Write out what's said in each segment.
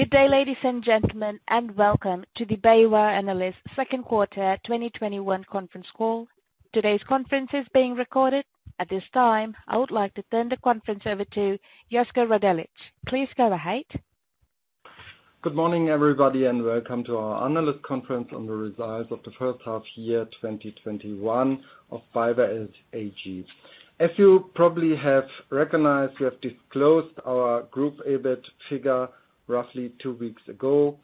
Good day, ladies and gentlemen, and welcome to the BayWa analyst second quarter 2021 conference call. At this time, I would like to turn the conference over to Josko Radeljic. Please go ahead. Good morning, everybody, and welcome to our analyst conference on the results of the first half year 2021 of BayWa AG. As you probably have recognized, we have disclosed our group EBIT figure roughly two weeks ago,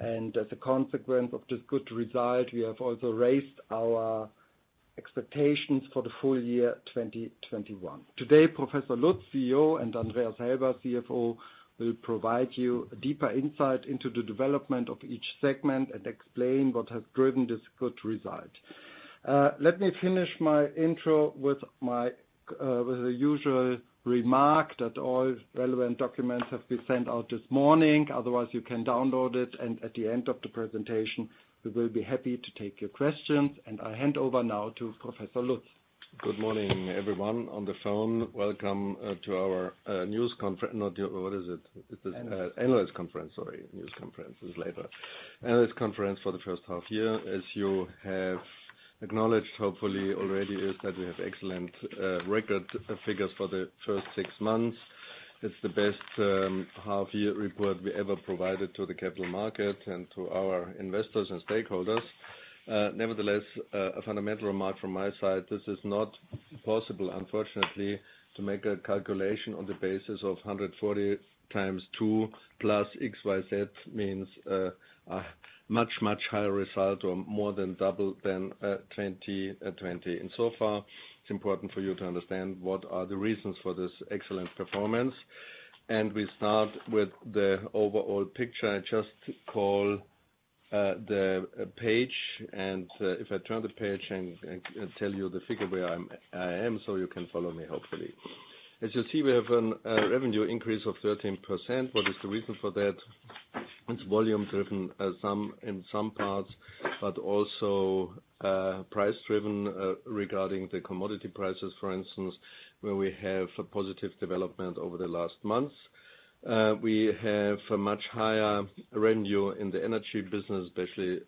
and as a consequence of this good result, we have also raised our expectations for the full year 2021. Today, Professor Lutz, CEO, and Andreas Helber, CFO, will provide you a deeper insight into the development of each segment and explain what has driven this good result. Let me finish my intro with the usual remark that all relevant documents have been sent out this morning. Otherwise, you can download it, and at the end of the presentation, we will be happy to take your questions. I hand over now to Professor Lutz. Good morning, everyone on the phone. Welcome to our news conference. No, what is it? Analyst. Analyst conference, sorry. News conference is later. Analyst conference for the first half year. As you have acknowledged, hopefully already, is that we have excellent record figures for the first six months. It's the best half-year report we ever provided to the capital market and to our investors and stakeholders. Nevertheless, a fundamental remark from my side, this is not possible, unfortunately, to make a calculation on the basis of 140 times two plus XYZ means a much, much higher result or more than double than 2020. In so far, it's important for you to understand what are the reasons for this excellent performance. We start with the overall picture. I just call the page, and if I turn the page and tell you the figure where I am so you can follow me, hopefully. As you see, we have a revenue increase of 13%. What is the reason for that? It's volume driven in some parts, but also price driven regarding the commodity prices, for instance, where we have a positive development over the last months. We have a much higher revenue in the energy business, especially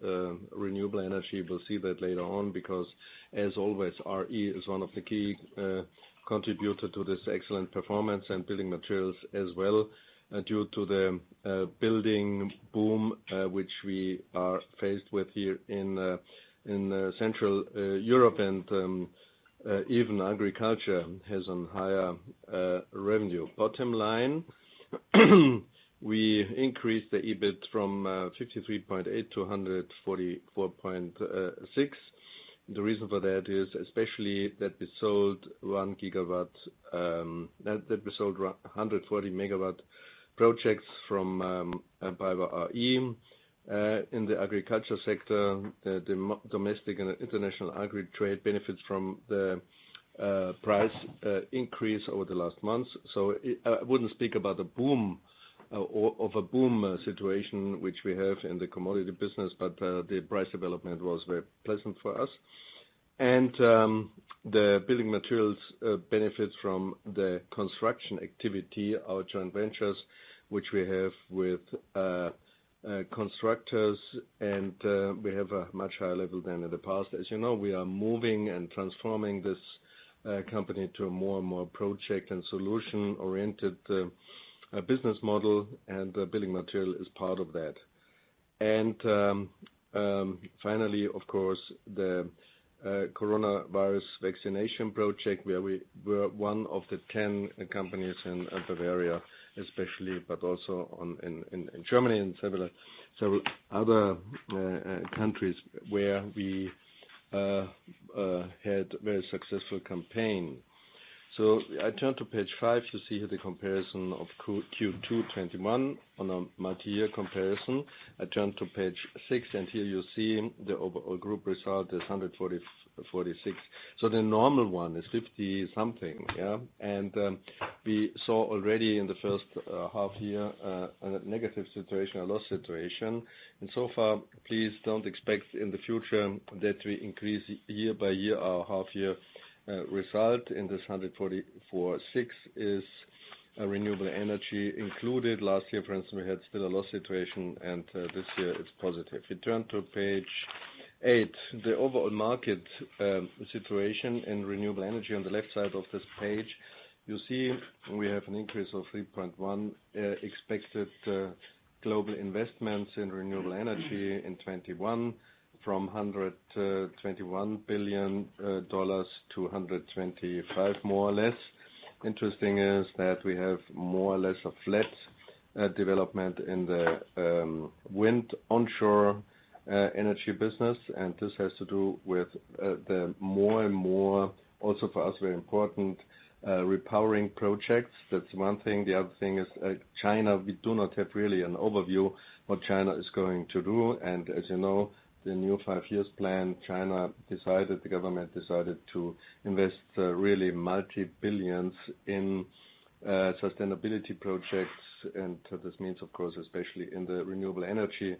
renewable energy. We'll see that later on because, as always, r.e. is one of the key contributors to this excellent performance and building materials as well, due to the building boom which we are faced with here in Central Europe and even agriculture has on higher revenue. Bottom line, we increased the EBIT from 53.8 million-144.6 million. The reason for that is especially that we sold 140 MW projects from BayWa r.e. in the agriculture sector. The domestic and international agri trade benefits from the price increase over the last months. I wouldn't speak about a boom situation which we have in the commodity business, but the price development was very pleasant for us. The building materials benefits from the construction activity, our joint ventures, which we have with constructors, and we have a much higher level than in the past. As you know, we are moving and transforming this company to a more and more project and solution-oriented business model, and the building material is part of that. Finally, of course, the coronavirus vaccination project, where we were one of the 10 companies in Bavaria, especially, but also in Germany and several other countries where we had very successful campaign. I turn to page five to see the comparison of Q2 2021 on a multi-year comparison. I turn to page six, and here you see the overall group result is 1,446. The normal one is 50-something. We saw already in the first half-year a negative situation, a loss situation. Please don't expect in the future that we increase year by year our half-year result. In this 1,446 is renewable energy included. Last year, for instance, we had still a loss situation, and this year it's positive. If you turn to page eight, the overall market situation in renewable energy on the left side of this page, you see we have an increase of 3.1% expected global investments in renewable energy in 2021 from $121 billion-$125 billion, more or less. We have more or less a flat development in the wind onshore energy business, and this has to do with the more and more also for us, very important repowering projects. That's one thing. The other thing is China. We do not have really an overview what China is going to do. As you know, the new five years plan, China decided, the government decided to invest really multi-billions in sustainability projects. This means, of course, especially in the renewable energy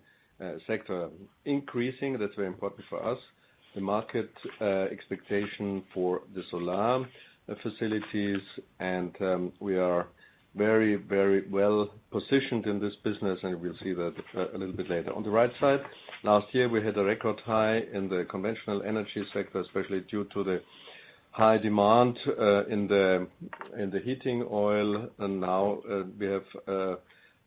sector, increasing. That's very important for us. The market expectation for the solar facilities, and we are very well positioned in this business, and we'll see that a little bit later. On the right side, last year, we had a record high in the conventional energy sector, especially due to the high demand in the heating oil. Now we have,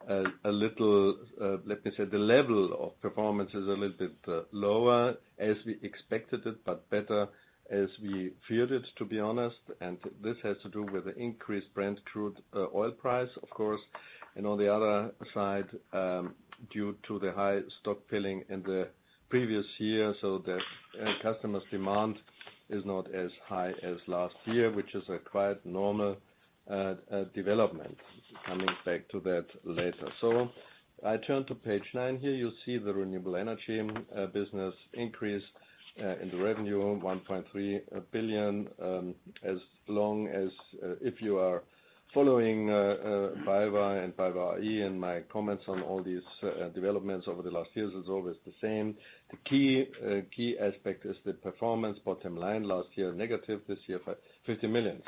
let me say, the level of performance is a little bit lower as we expected it, but better as we feared it, to be honest. This has to do with the increased Brent crude oil price, of course. On the other side, due to the high stock filling in the previous year, the end customer's demand is not as high as last year, which is a quite normal development. Coming back to that later. I turn to page nine. Here you see the renewable energy business increase in the revenue of 1.3 billion. If you are following BayWa and BayWa r.e. and my comments on all these developments over the last years, it's always the same. The key aspect is the performance. Bottom line, last year negative, this year 50 million.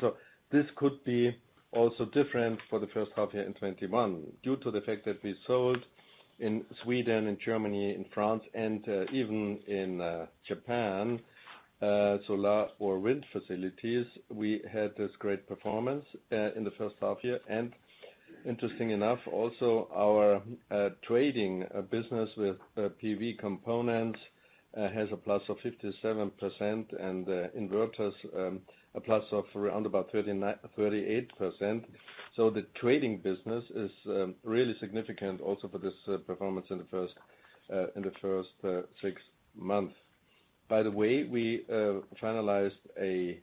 This could be also different for the first half year in 2021. Due to the fact that we sold in Sweden, in Germany, in France, and even in Japan, solar or wind facilities. We had this great performance in the first half year. Interesting enough, also our trading business with PV components has a plus of 57%, and inverters, a plus of around about 38%. The trading business is really significant also for this performance in the first six months. By the way, we finalized an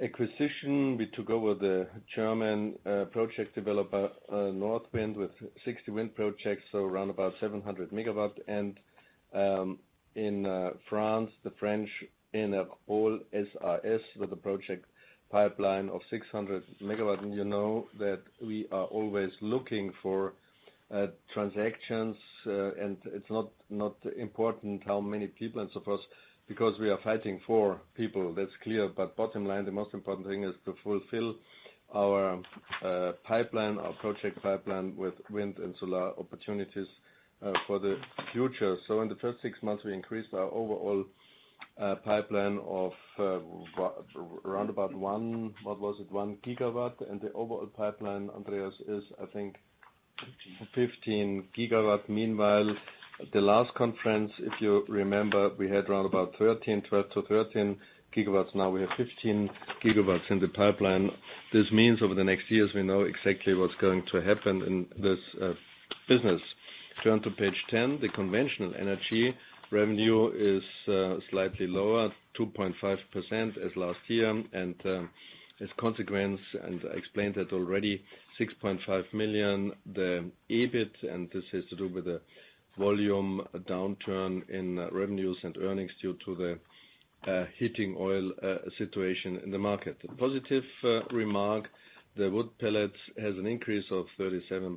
acquisition. We took over the German project developer, NWind, with 60 wind projects, so around about 700 MW. In France, the French Enerpole SAS with a project pipeline of 600 MW. You know that we are always looking for transactions, and it's not important how many people and so forth, because we are fighting for people, that's clear. Bottom line, the most important thing is to fulfill our project pipeline with wind and solar opportunities for the future. In the first six months, we increased our overall pipeline of around about 1 GW. The overall pipeline, Andreas Helber, is 15 GW. Meanwhile, the last conference, if you remember, we had around about 12 GW-13 GW. Now we have 15 GW in the pipeline. This means over the next years, we know exactly what's going to happen in this business. Turn to page 10. The conventional energy revenue is slightly lower, 2.5% as last year. As consequence, and I explained that already, 6.5 million, the EBIT, and this has to do with the volume downturn in revenues and earnings due to the heating oil situation in the market. The positive remark, the wood pellets has an increase of 37%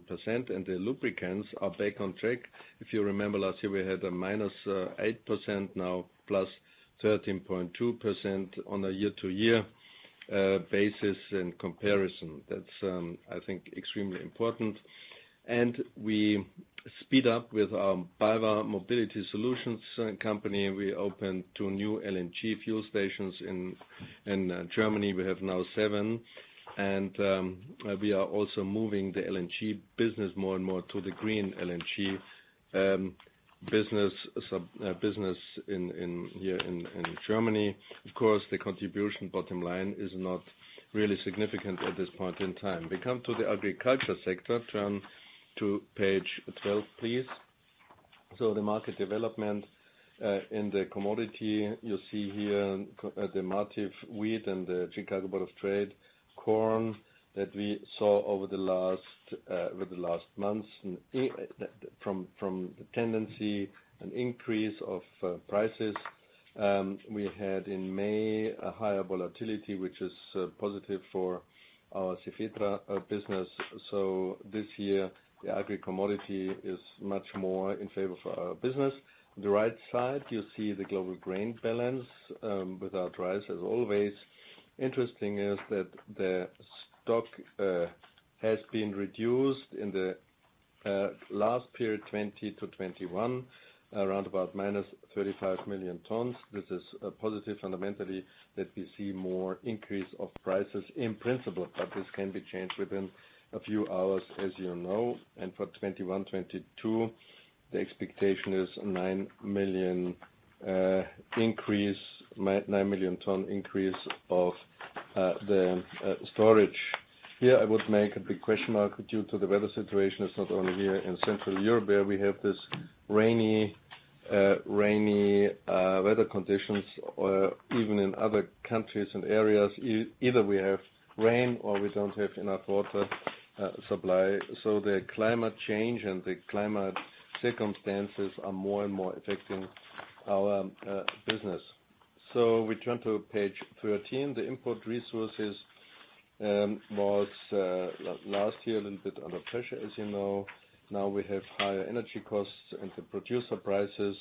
and the lubricants are back on track. If you remember last year, we had a -8%, now +13.2% on a year-to-year basis in comparison. That's, I think, extremely important. We speed up with our BayWa Mobility Solutions company. We opened two new LNG fuel stations in Germany. We have now seven. We are also moving the LNG business more and more to the green LNG business here in Germany. Of course, the contribution bottom line is not really significant at this point in time. We come to the agriculture sector. Turn to page 12, please. The market development in the commodity, you see here the Matif Wheat and the Chicago Board of Trade Corn that we saw over the last months from the tendency, an increase of prices. We had in May a higher volatility, which is positive for our Cefetra business. This year, the agri-commodity is much more in favor for our business. The right side, you see the global grain balance without rice. As always, interesting is that the stock has been reduced in the last period, 2020-2021, around about -35 million tons. This is positive fundamentally that we see more increase of prices in principle, this can be changed within a few hours, as you know. For 2021, 2022, the expectation is 9 million tons increase of the storage. Here, I would make a big question mark due to the weather situation. It's not only here in Central Europe where we have this rainy weather conditions, or even in other countries and areas. Either we have rain or we don't have enough water supply. The climate change and the climate circumstances are more and more affecting our business. We turn to page 13. The input resources was last year a little bit under pressure, as you know. Now we have higher energy costs. The producer prices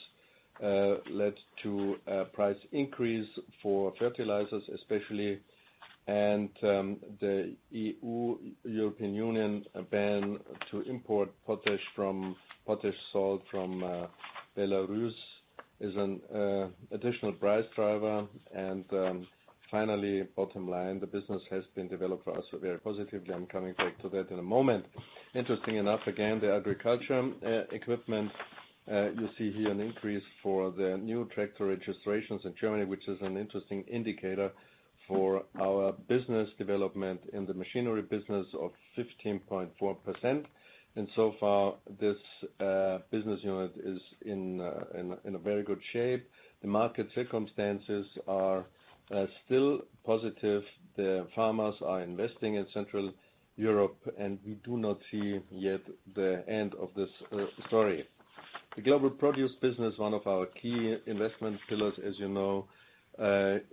led to a price increase for fertilizers, especially. The EU, European Union ban to import potash salt from Belarus is an additional price driver. Finally, bottom line, the business has been developed for us very positively. I'm coming back to that in a moment. Interesting enough, again, the agriculture equipment, you see here an increase for the new tractor registrations in Germany, which is an interesting indicator for our business development in the machinery business of 15.4%. So far, this business unit is in a very good shape. The market circumstances are still positive. The farmers are investing in Central Europe. We do not see yet the end of this story. The global produce business, one of our key investment pillars, as you know,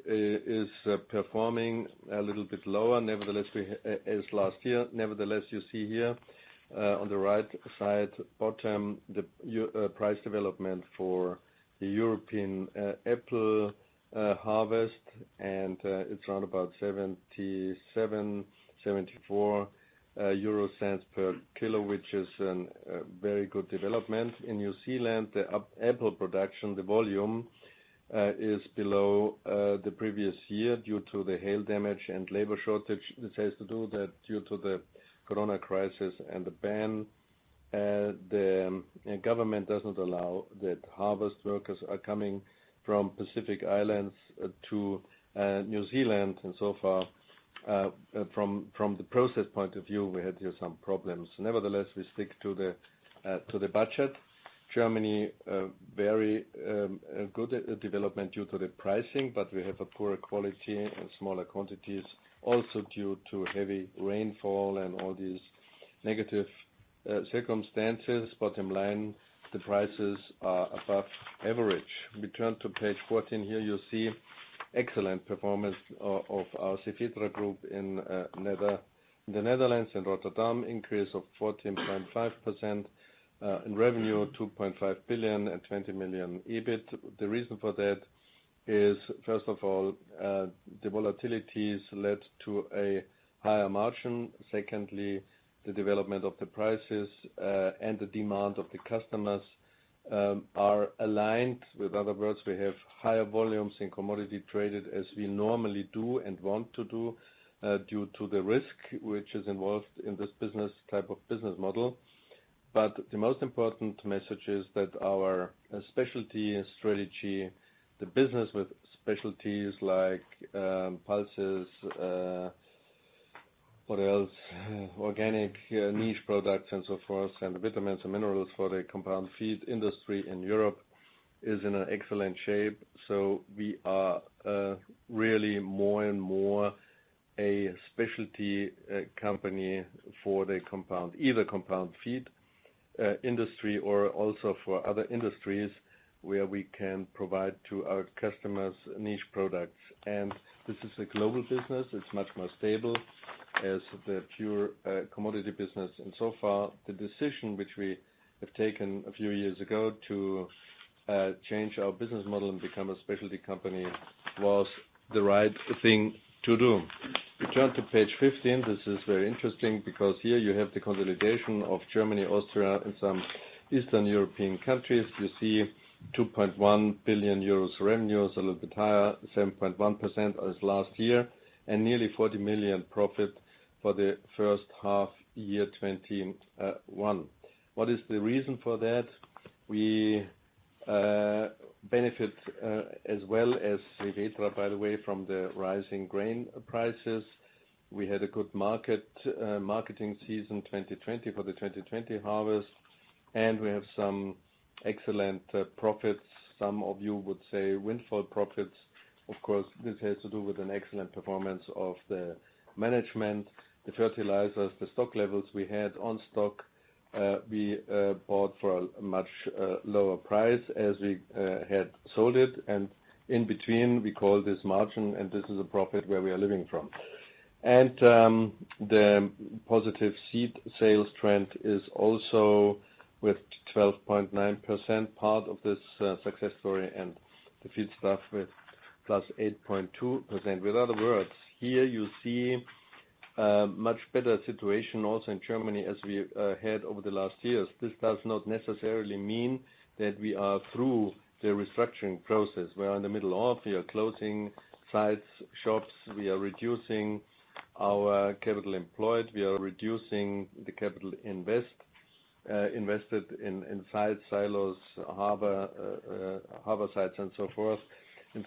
is performing a little bit lower as last year. Nevertheless, you see here, on the right side bottom, the price development for the European apple harvest, and it's around about 0.77, EUR 0.74 per kilo, which is an very good development. In New Zealand, the apple production, the volume, is below the previous year due to the hail damage and labor shortage. This has to do that due to the corona crisis and the ban, the government doesn't allow that harvest workers are coming from Pacific Islands to New Zealand. So far, from the process point of view, we had here some problems. Nevertheless, we stick to the budget. Germany, very good development due to the pricing, but we have a poorer quality and smaller quantities also due to heavy rainfall and all these negative circumstances. Bottom line, the prices are above average. We turn to page 14. Here you see excellent performance of our Cefetra group in the Netherlands. In Rotterdam, increase of 14.5% in revenue, 2.5 billion and 20 million EBIT. The reason for that is, first of all, the volatilities led to a higher margin. Secondly, the development of the prices, and the demand of the customers, are aligned. In other words, we have higher volumes in commodity traded as we normally do and want to do, due to the risk which is involved in this type of business model. The most important message is that our specialty strategy, the business with specialties like pulses, what else? Organic niche products and so forth, and vitamins and minerals for the compound feed industry in Europe is in an excellent shape. We are really more and more a specialty company for either compound feed industry or also for other industries where we can provide to our customers niche products. This is a global business. It is much more stable as the pure commodity business. So far, the decision which we have taken a few years ago to change our business model and become a specialty company was the right thing to do. We turn to page 15. This is very interesting because here you have the consolidation of Germany, Austria, and some Eastern European countries. You see 2.1 billion euros revenues, a little bit higher, 7.1% as last year, and nearly 40 million profit for the first half year 2021. What is the reason for that? We benefit, as well as Cefetra, by the way, from the rising grain prices. We had a good marketing season 2020 for the 2020 harvest, and we have some excellent profits. Some of you would say windfall profits. Of course, this has to do with an excellent performance of the management, the fertilizers, the stock levels we had on stock, we bought for a much lower price as we had sold it. In between, we call this margin, and this is a profit where we are living from. The positive seed sales trend is also with 12.9% part of this success story and the field stuff with +8.2%. In other words, here you see a much better situation also in Germany as we had over the last years. This does not necessarily mean that we are through the restructuring process we are in the middle of. We are closing sites, shops, we are reducing our capital employed, we are reducing the capital invested in sites, silos, harbor sites, and so forth.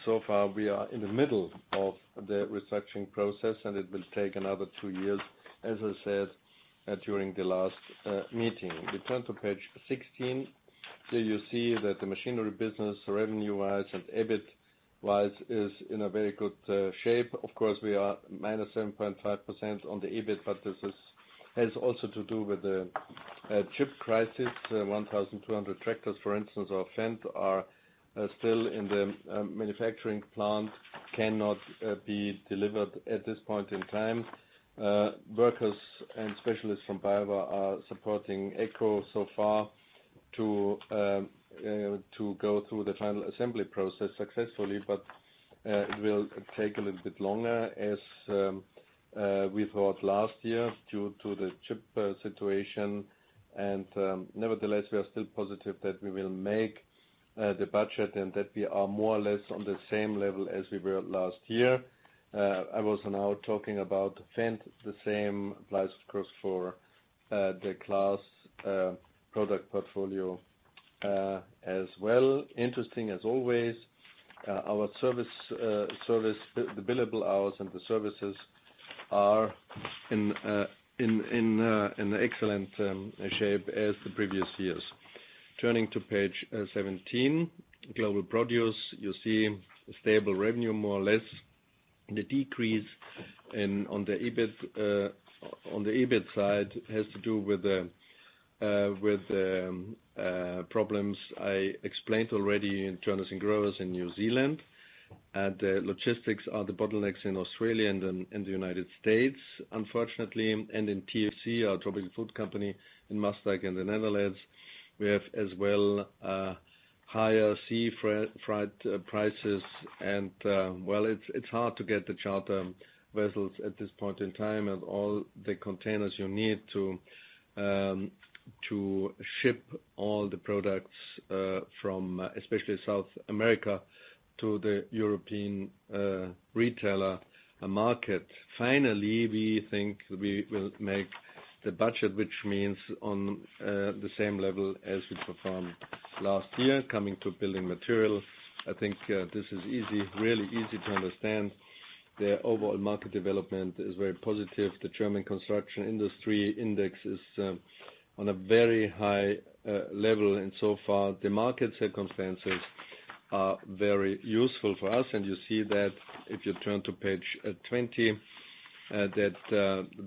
So far, we are in the middle of the restructuring process, and it will take another two years, as I said, during the last meeting. We turn to page 16. Here you see that the machinery business, revenue-wise and EBIT-wise, is in a very good shape. Of course, we are -7.5% on the EBIT, but this has also to do with the chip crisis. 1,200 tractors, for instance, of Fendt are still in the manufacturing plant, cannot be delivered at this point in time. Workers and specialists from BayWa are supporting AGCO so far. To go through the final assembly process successfully, it will take a little bit longer as we thought last year due to the chip situation. Nevertheless, we are still positive that we will make the budget, and that we are more or less on the same level as we were last year. I was now talking about Fendt. The same applies, of course, for the CLAAS product portfolio as well. Interesting as always. Our service, the billable hours and the services are in excellent shape as the previous years. Turning to page 17, Global Produce. You see stable revenue, more or less. The decrease on the EBIT side has to do with the problems I explained already in T&G Global in New Zealand, and the logistics are the bottlenecks in Australia and in the U.S., unfortunately. In TFC, our Tropical Fruit Company in Maasdijk in the Netherlands, we have as well higher sea freight prices. Well, it's hard to get the charter vessels at this point in time and all the containers you need to ship all the products from especially South America to the European retailer market. Finally, we think we will make the budget, which means on the same level as we performed last year. Coming to Building Materials, I think this is really easy to understand. The overall market development is very positive. The German construction industry index is on a very high level, and so far, the market circumstances are very useful for us. You see that if you turn to page 20, that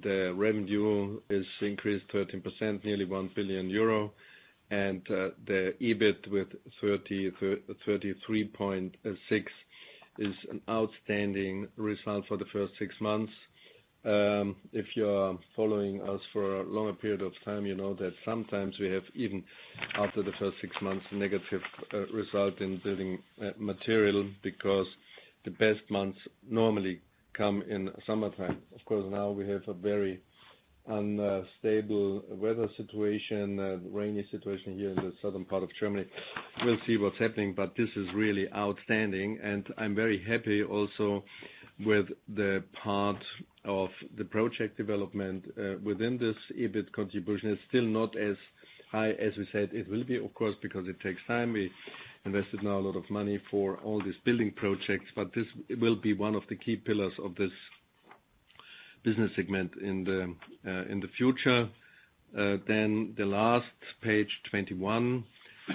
the revenue is increased 13%, nearly 1 billion euro, and the EBIT with 33.6 million is an outstanding result for the first six months. If you are following us for a longer period of time, you know that sometimes we have even after the first six months, a negative result in building material because the best months normally come in summertime. Of course, now we have a very unstable weather situation, rainy situation here in the southern part of Germany. We'll see what's happening, but this is really outstanding, and I'm very happy also with the part of the project development within this EBIT contribution. It's still not as high as we said it will be, of course, because it takes time. We invested now a lot of money for all these building projects, but this will be one of the key pillars of this business segment in the future. The last page, 21.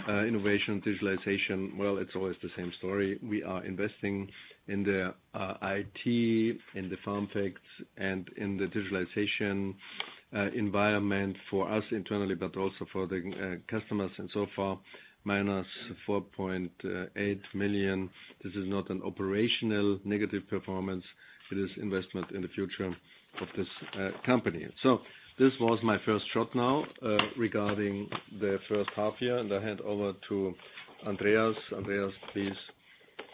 Innovation and digitalization. Well, it's always the same story. We are investing in the IT, in the FarmFacts and in the digitalization environment for us internally, but also for the customers and so far, -4.8 million. This is not an operational negative performance. It is investment in the future of this company. This was my first shot now regarding the first half year, and I hand over to Andreas. Andreas, please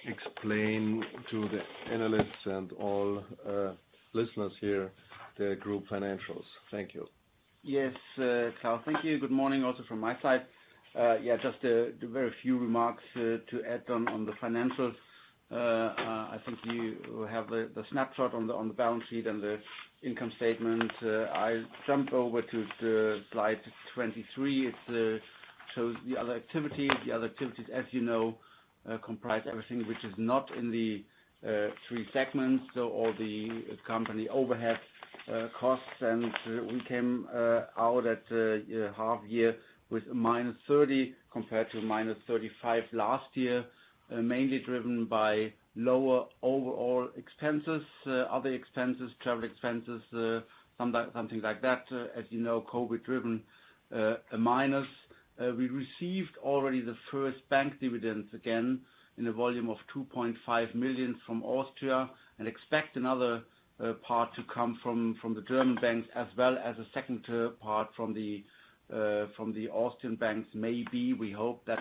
explain to the analysts and all listeners here the group financials. Thank you. Yes, Klaus. Thank you. Good morning also from my side. Just a very few remarks to add on the financials. I think you have the snapshot on the balance sheet and the income statement. I jump over to slide 23. It shows the other activities. The other activities, as you know, comprise everything which is not in the three segments. All the company overhead costs. We came out at the half year with -30 compared to -35 last year, mainly driven by lower overall expenses, other expenses, travel expenses, something like that. As you know, COVID-driven minus. We received already the first bank dividends again in a volume of 2.5 million from Austria and expect another part to come from the German banks, as well as a second part from the Austrian banks, maybe. We hope that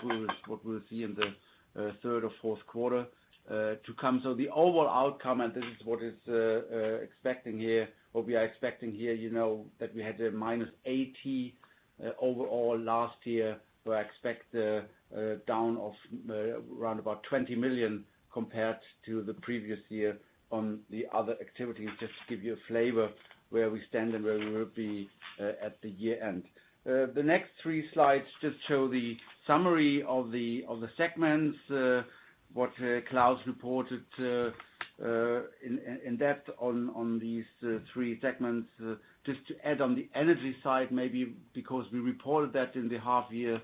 what we'll see in the third or fourth quarter to come. The overall outcome, and this is what we are expecting here, you know that we had -80 overall last year. I expect a down of around about 20 million compared to the previous year on the other activities. Just to give you a flavor where we stand and where we will be at the year-end. The next three slides just show the summary of the segments, what Klaus reported in depth on these three segments. Just to add on the energy side, maybe because we reported that in the half year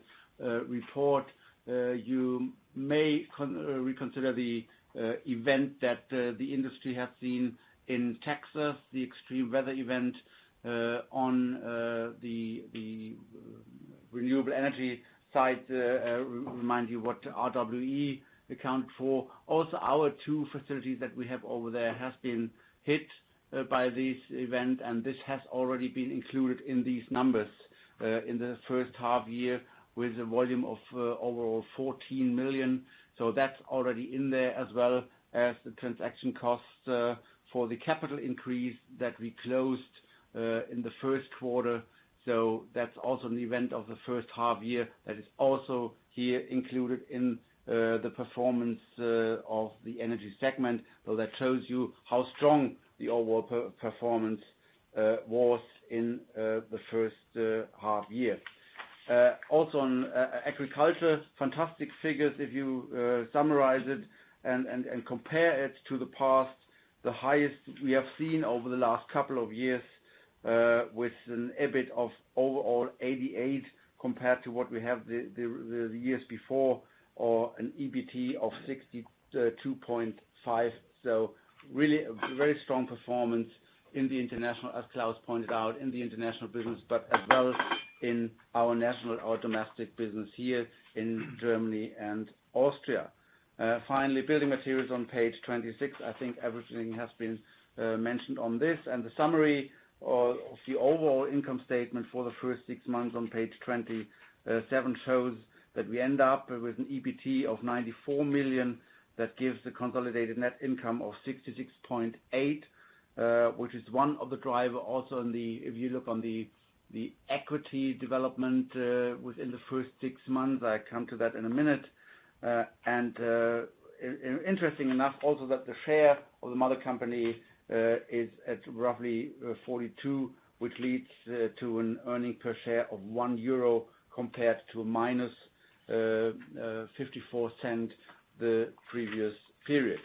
report, you may reconsider the event that the industry has seen in Texas, the extreme weather event on the renewable energy side. Remind you what r.e. Account for. Our two facilities that we have over there has been hit by this event, and this has already been included in these numbers in the first half year with a volume of over 14 million. That's already in there, as well as the transaction costs for the capital increase that we closed in the first quarter. That's also an event of the first half year that is also here included in the performance of the energy segment. That shows you how strong the overall performance was in the first half year. On agriculture, fantastic figures. If you summarize it and compare it to the past, the highest we have seen over the last couple of years, with an EBIT of overall 88 compared to what we have the years before, or an EBT of 62.5. Really, a very strong performance, as Klaus pointed out, in the international business, but as well as in our national, our domestic business here in Germany and Austria. Finally, building materials on page 26. I think everything has been mentioned on this. The summary of the overall income statement for the first six months on page 27 shows that we end up with an EBT of 94 million, that gives the consolidated net income of 66.8 million, which is one of the driver also, if you look on the equity development within the first six months. I come to that in a minute. Interesting enough, also that the share of the mother company is at roughly 42%, which leads to an earning per share of 1 euro compared to a -0.54 the previous period.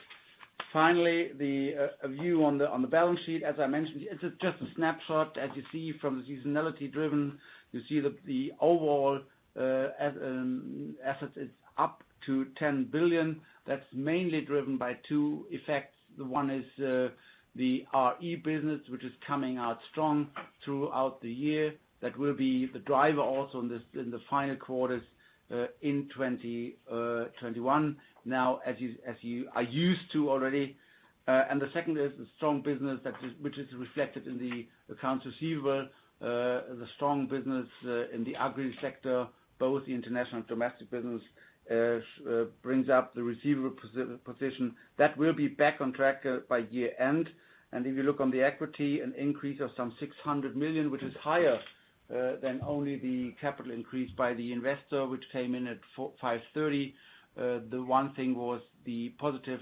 Finally, a view on the balance sheet. As I mentioned, it is just a snapshot as you see from seasonality driven. You see that the overall assets is up to 10 billion. That's mainly driven by two effects. One is the BayWa r.e. business, which is coming out strong throughout the year. That will be the driver also in the final quarters in 2021. As you are used to already. The second is the strong business which is reflected in the accounts receivable, the strong business in the agri sector, both the international and domestic business brings up the receivable position. That will be back on track by year-end. If you look on the equity, an increase of some 600 million, which is higher than only the capital increase by the investor, which came in at 530 million. The one thing was the positive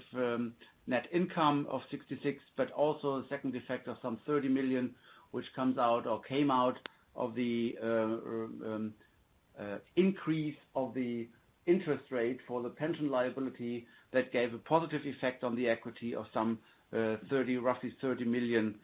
net income of 66 million, but also the second effect of some 30 million, which comes out or came out of the increase of the interest rate for the pension liability that gave a positive effect on the equity of some roughly 30 million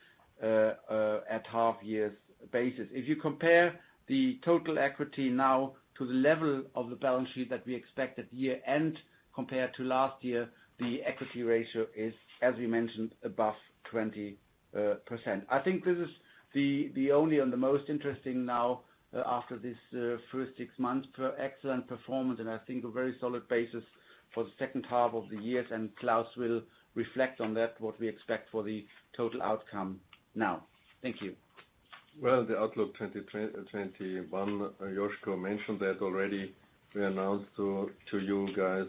at half year's basis. If you compare the total equity now to the level of the balance sheet that we expect at year-end compared to last year, the equity ratio is as we mentioned, above 20%. I think this is the only and the most interesting now after this first 6 months, excellent performance and I think a very solid basis for the second half of the year and Klaus will reflect on that, what we expect for the total outcome now. Thank you. The outlook 2021, Josko mentioned that already. We announced to you guys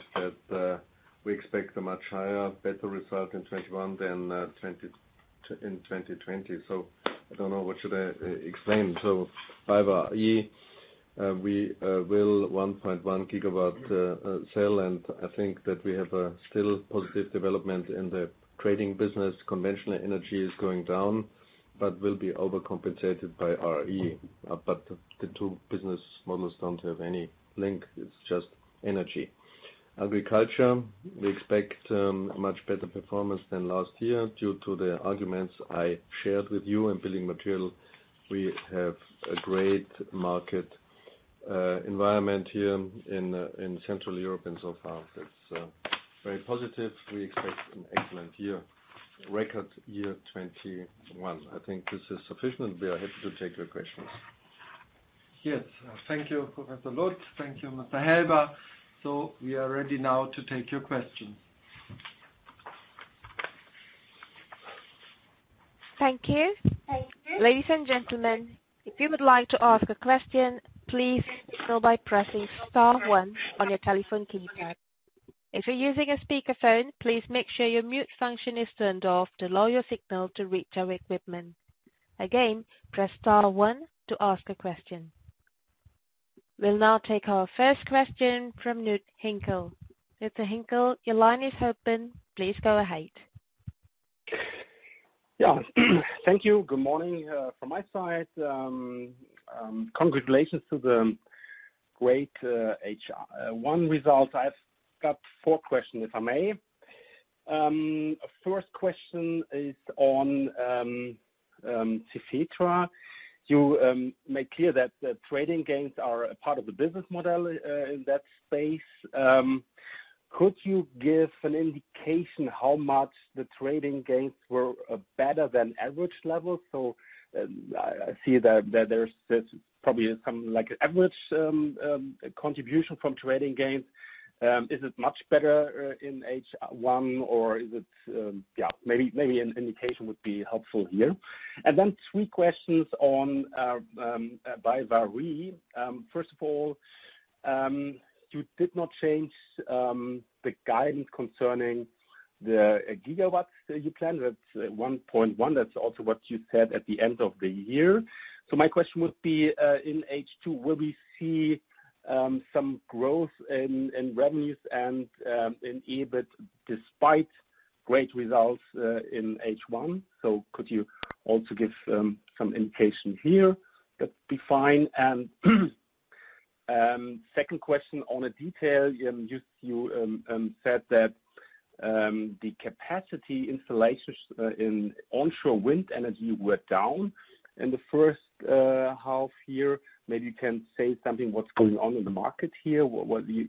that we expect a much higher, better result in 2021 than in 2020. I don't know what should I explain. BayWa r.e., we will 1.1 GW sale, and I think that we have a still positive development in the trading business. Conventional energy is going down, but will be overcompensated by r.e. The two business models don't have any link. It's just energy. Agriculture, we expect much better performance than last year due to the arguments I shared with you. In building material, we have a great market environment here in Central Europe and so far that's very positive. We expect an excellent year, record year 2021. I think this is sufficient. We are happy to take your questions. Yes. Thank you, Professor Lutz. Thank you, Mr. Helber. We are ready now to take your questions. Thank you. Ladies and gentlemen, if you would like to ask a question, please do so by pressing star one on your telephone keypad. If you're using a speakerphone, please make sure your mute function is turned off to allow your signal to reach our equipment. Again, press star one to ask a question. We'll now take our first question from Knud Hinkel. Mr. Hinkel, your line is open. Please go ahead. Yeah. Thank you. Good morning from my side. Congratulations to the great H1 results. I've got four questions, if I may. First question is on Cefetra. You made clear that the trading gains are a part of the business model in that space. Could you give an indication how much the trading gains were better than average levels? I see that there's probably some like average contribution from trading gains. Is it much better in H1? Maybe an indication would be helpful here. Then three questions on BayWa r.e. First of all, you did not change the guidance concerning the gigawatts you planned. That's 1.1 GW. That's also what you said at the end of the year. My question would be, in H2, will we see some growth in revenues and in EBIT despite great results in H1. Could you also give some indication here? That'd be fine. Second question on a detail, you said that the capacity installations in onshore wind energy were down in the first half year. Maybe you can say something what's going on in the market here. You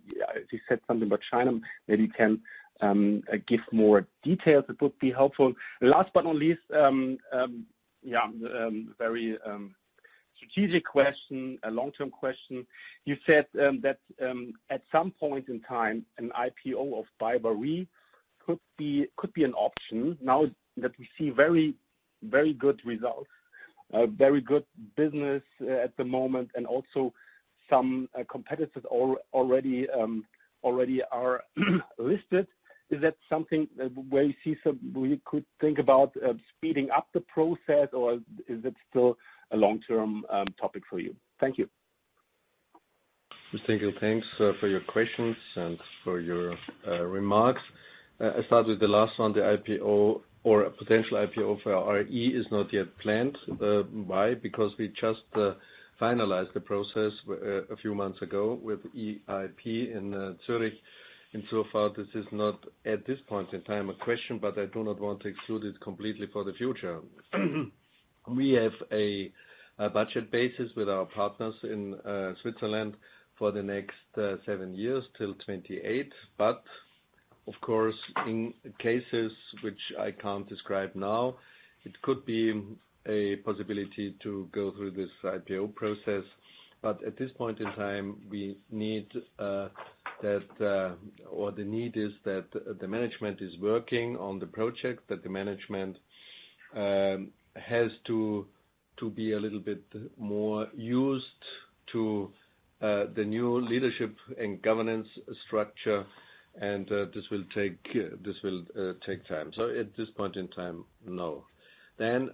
said something about China. Maybe you can give more details. It would be helpful. Last but not least, a very strategic question, a long-term question. You said that at some point in time, an IPO of BayWa r.e could be an option now that we see very good results, very good business at the moment, and also some competitors already are listed. Is that something where you could think about speeding up the process, or is it still a long-term topic for you? Thank you. Thank you. Thanks for your questions and for your remarks. I start with the last one, the IPO or a potential IPO for our BayWa r.e. is not yet planned. Why? Because we just finalized the process a few months ago with EIP in Zurich, and so far, this is not at this point in time a question, but I do not want to exclude it completely for the future. We have a budget basis with our partners in Switzerland for the next seven years till 2028. Of course, in cases which I can't describe now, it could be a possibility to go through this IPO process. At this point in time, the need is that the management is working on the project, that the management has to be a little bit more used to the new leadership and governance structure, and this will take time. At this point in time, no. The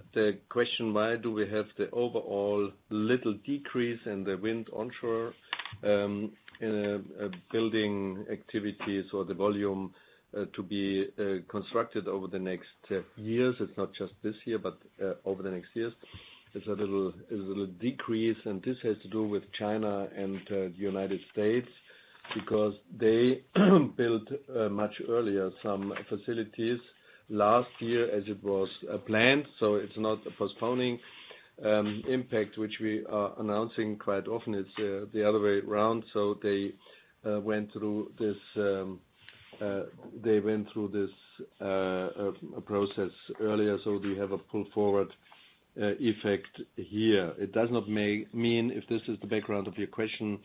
question, why do we have the overall little decrease in the wind onshore building activities or the volume to be constructed over the next years? It's not just this year, but over the next years. There's a little decrease, and this has to do with China and the U.S. because they built much earlier some facilities last year as it was planned. It's not a postponing impact, which we are announcing quite often. It's the other way around. They went through this process earlier, so we have a pull-forward effect here. If this is the background of your question,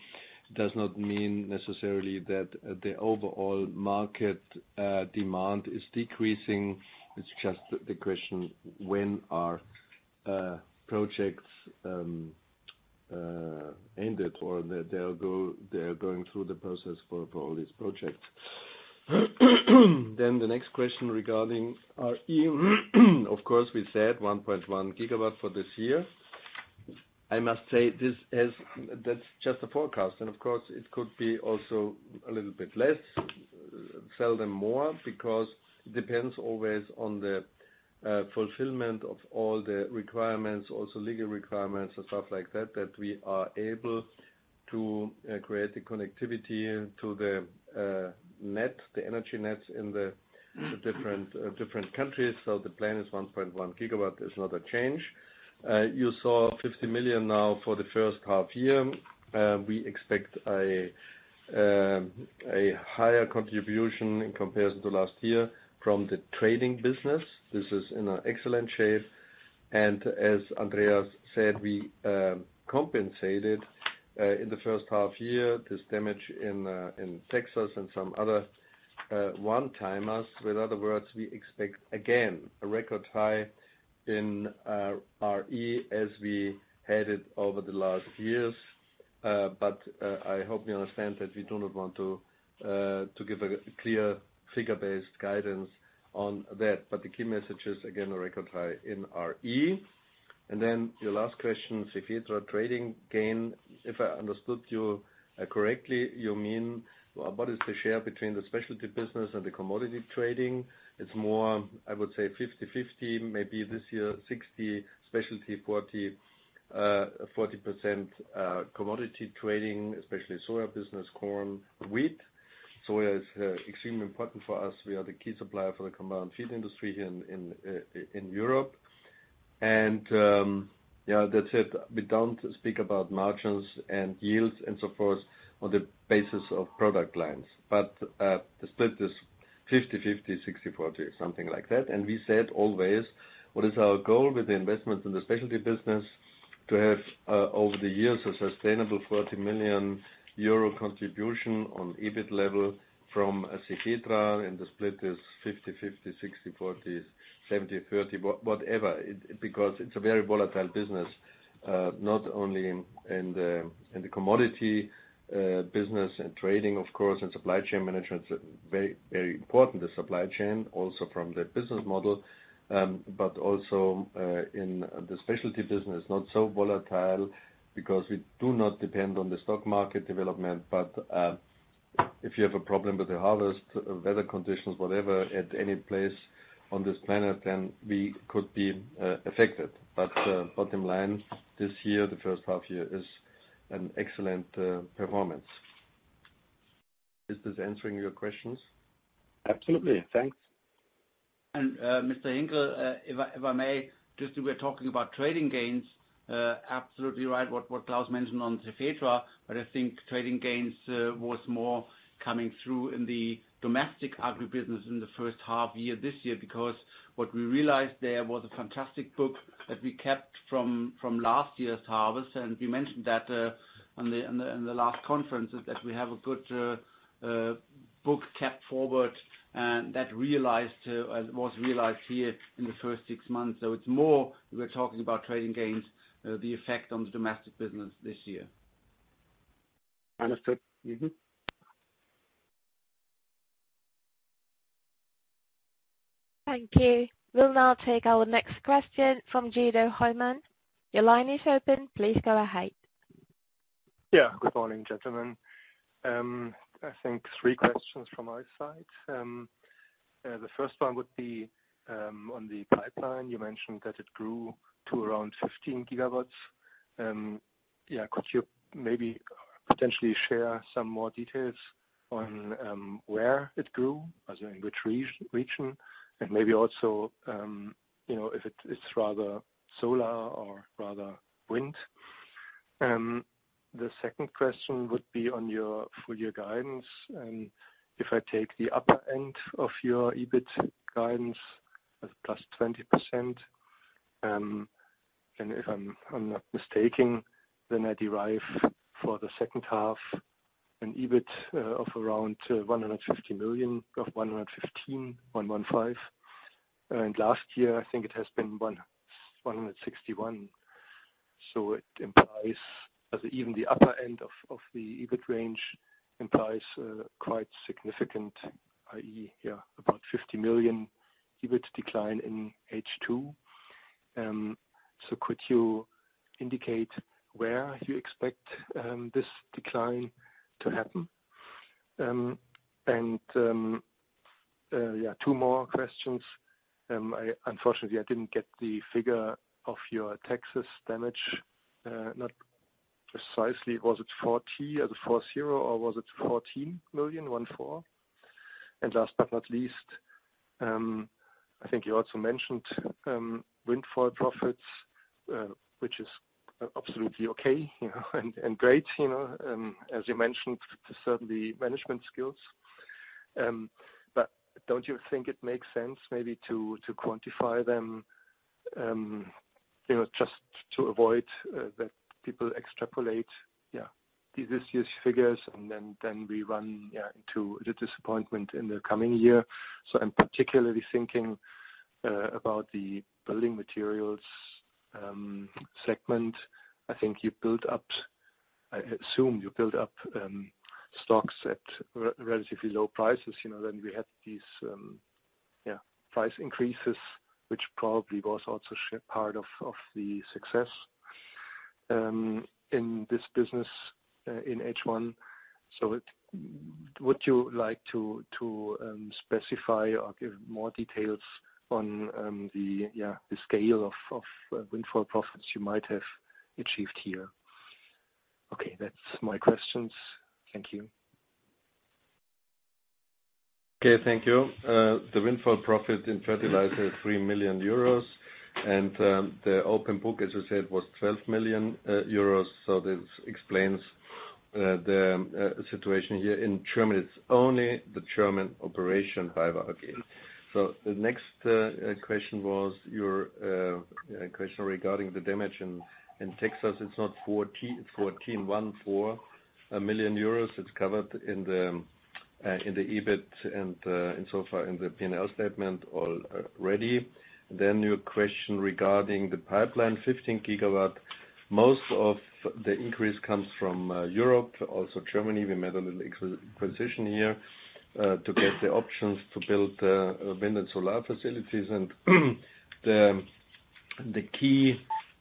it does not mean necessarily that the overall market demand is decreasing. It's just the question, when are projects ended or they're going through the process for all these projects. The next question regarding our r.e., of course, we said 1.1 GW for this year. I must say that's just a forecast. Of course, it could be also a little bit less, seldom more, because it depends always on the fulfillment of all the requirements, also legal requirements and stuff like that we are able to create the connectivity to the energy nets in the different countries. The plan is 1.1 GW. There's not a change. You saw 50 million now for the first half-year. We expect a higher contribution in comparison to last year from the trading business. This is in excellent shape. As Andreas said, we compensated in the first half-year this damage in Texas and some other one-timers. With other words, we expect, again, a record high in our r.e. as we headed over the last years. I hope you understand that we do not want to give a clear figure-based guidance on that. The key message is, again, a record high in RE. Your last question, Cefetra trading gain. If I understood you correctly, you mean what is the share between the specialty business and the commodity trading? It is more, I would say 50/50, maybe this year, 60% specialty, 40% commodity trading, especially soy business, corn, wheat. Soy is extremely important for us. We are the key supplier for the combined feed industry in Europe. That's it. We don't speak about margins and yields and so forth on the basis of product lines, but the split is 50/50, 60/40, something like that. We said always, what is our goal with the investment in the specialty business to have, over the years, a sustainable 40 million euro contribution on EBIT level from a Cefetra, and the split is 50/50, 60/40, 70/30, whatever, because it's a very volatile business. Not only in the commodity business and trading, of course, and supply chain management, it's very important, the supply chain, also from the business model. Also, in the specialty business, not so volatile because we do not depend on the stock market development, but if you have a problem with the harvest, weather conditions, whatever, at any place on this planet, then we could be affected. Bottom line, this year, the first half year is an excellent performance. Is this answering your questions? Absolutely. Thanks. Mr. Hinkel, if I may, just we're talking about trading gains. Absolutely right what Klaus mentioned on Cefetra, I think trading gains was more coming through in the domestic agribusiness in the first half year this year, what we realized there was a fantastic book that we kept from last year's harvest, we mentioned that in the last conference, that we have a good book kept forward and that was realized here in the first six months. It's more, we're talking about trading gains, the effect on the domestic business this year. Understood. Thank you. We'll now take our next question from Guido Hoymann. Your line is open. Please go ahead. Good morning, gentlemen. I think three questions from my side. The first one would be, on the pipeline, you mentioned that it grew to around 15 GW. Could you maybe potentially share some more details on where it grew, as in which region? Maybe also, if it's rather solar or rather wind. The second question would be on your full year guidance, if I take the upper end of your EBIT guidance as +20%, I derive for the second half an EBIT of around 150 million, of 115. Last year, I think it has been 161 million. It implies that even the upper end of the EBIT range implies a quite significant, i.e., about 50 million EBIT decline in H2. Could you indicate where you expect this decline to happen? Yeah, two more questions. Unfortunately, I didn't get the figure of your Texas damage, not precisely. Was it 40 million, or was it 14 million? Last but not least, I think you also mentioned windfall profits, which is absolutely okay and great, as you mentioned, certainly management skills. Don't you think it makes sense maybe to quantify them, just to avoid that people extrapolate, yeah, this year's figures, and then we run into the disappointment in the coming year? I'm particularly thinking about the building materials segment. I think you built up, I assume you built up stocks at relatively low prices. We had these, yeah, price increases, which probably was also part of the success in this business in H1. Would you like to specify or give more details on the scale of windfall profits you might have achieved here? Okay. That's my questions. Thank you. Okay. Thank you. The windfall profit in fertilizer is 3 million euros. The open book, as you said, was 12 million euros, so this explains the situation here in Germany. It's only the German operation BayWa r.e. The next question was your question regarding the damage in Texas. It's not 40 million euros, it's EUR 14 million. It's covered in the EBIT and insofar in the P&L statement already. Your question regarding the pipeline, 15 GW. Most of the increase comes from Europe, also Germany. We made a little acquisition here, to get the options to build wind and solar facilities. The key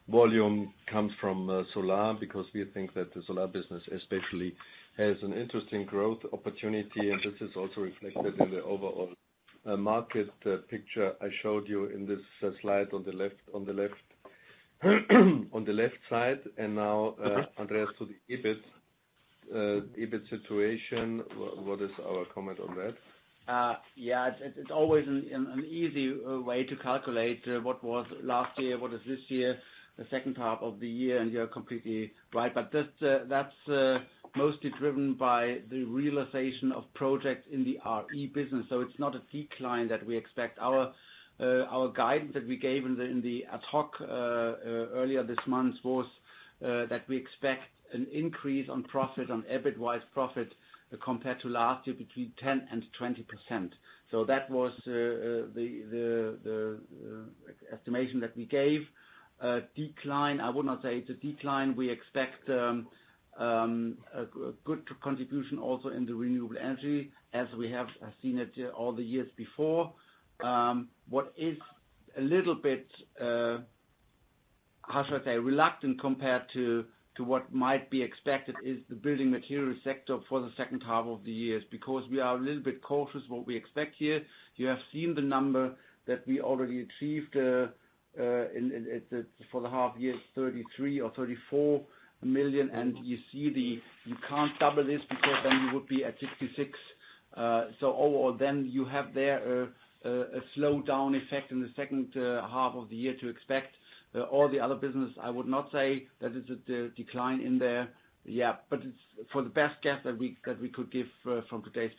volume comes from solar, because we think that the solar business especially has an interesting growth opportunity, and this is also reflected in the overall market picture I showed you in this slide on the left side. Now, Andreas, to the EBIT situation. What is our comment on that? Yeah. It's always an easy way to calculate what was last year, what is this year, the second half of the year, and you're completely right. That's mostly driven by the realization of projects in the RE business. It's not a decline that we expect. Our guidance that we gave in the ad hoc earlier this month was that we expect an increase on profit, on EBIT-wise profit, compared to last year, between 10% and 20%. That was the estimation that we gave. Decline, I would not say it's a decline. We expect a good contribution also in the renewable energy, as we have seen it all the years before. How should I say? Reluctant compared to what might be expected is the building material sector for the second half of the year, because we are a little bit cautious what we expect here. You have seen the number that we already achieved for the half year, 33 million or 34 million, and you see you can't double this because then you would be at 66 million. Overall, you have there a slowdown effect in the second half of the year to expect. All the other business, I would not say that it's a decline in there. It's for the best guess that we could give from today's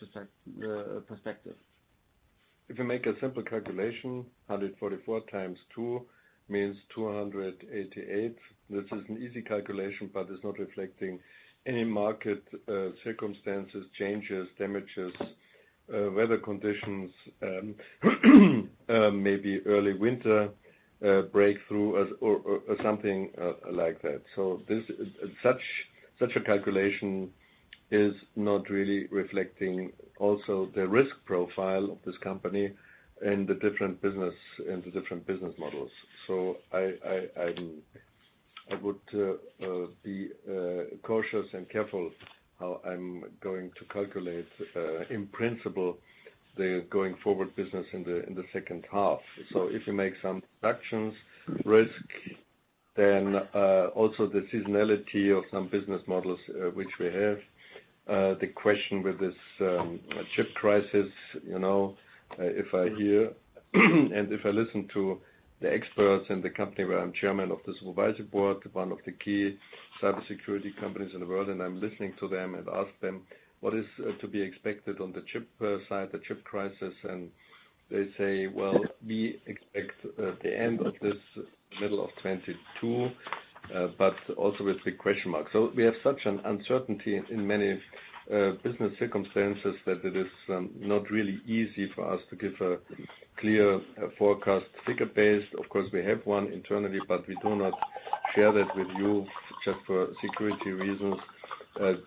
perspective. If you make a simple calculation, 144 times two means 288. This is an easy calculation, but it's not reflecting any market circumstances, changes, damages, weather conditions, maybe early winter breakthrough or something like that. Such a calculation is not really reflecting also the risk profile of this company and the different business models. I would be cautious and careful how I'm going to calculate, in principle, the going forward business in the second half. If you make some reductions, risk, then also the seasonality of some business models which we have. The question with this chip crisis, if I hear and if I listen to the experts and the company where I'm chairman of the supervisory board, one of the key cybersecurity companies in the world, and I'm listening to them and ask them what is to be expected on the chip side, the chip crisis, and they say, "Well, we expect the end of this middle of 2022," but also with a big question mark. We have such an uncertainty in many business circumstances that it is not really easy for us to give a clear forecast figure-based. Of course, we have one internally, but we do not share that with you just for security reasons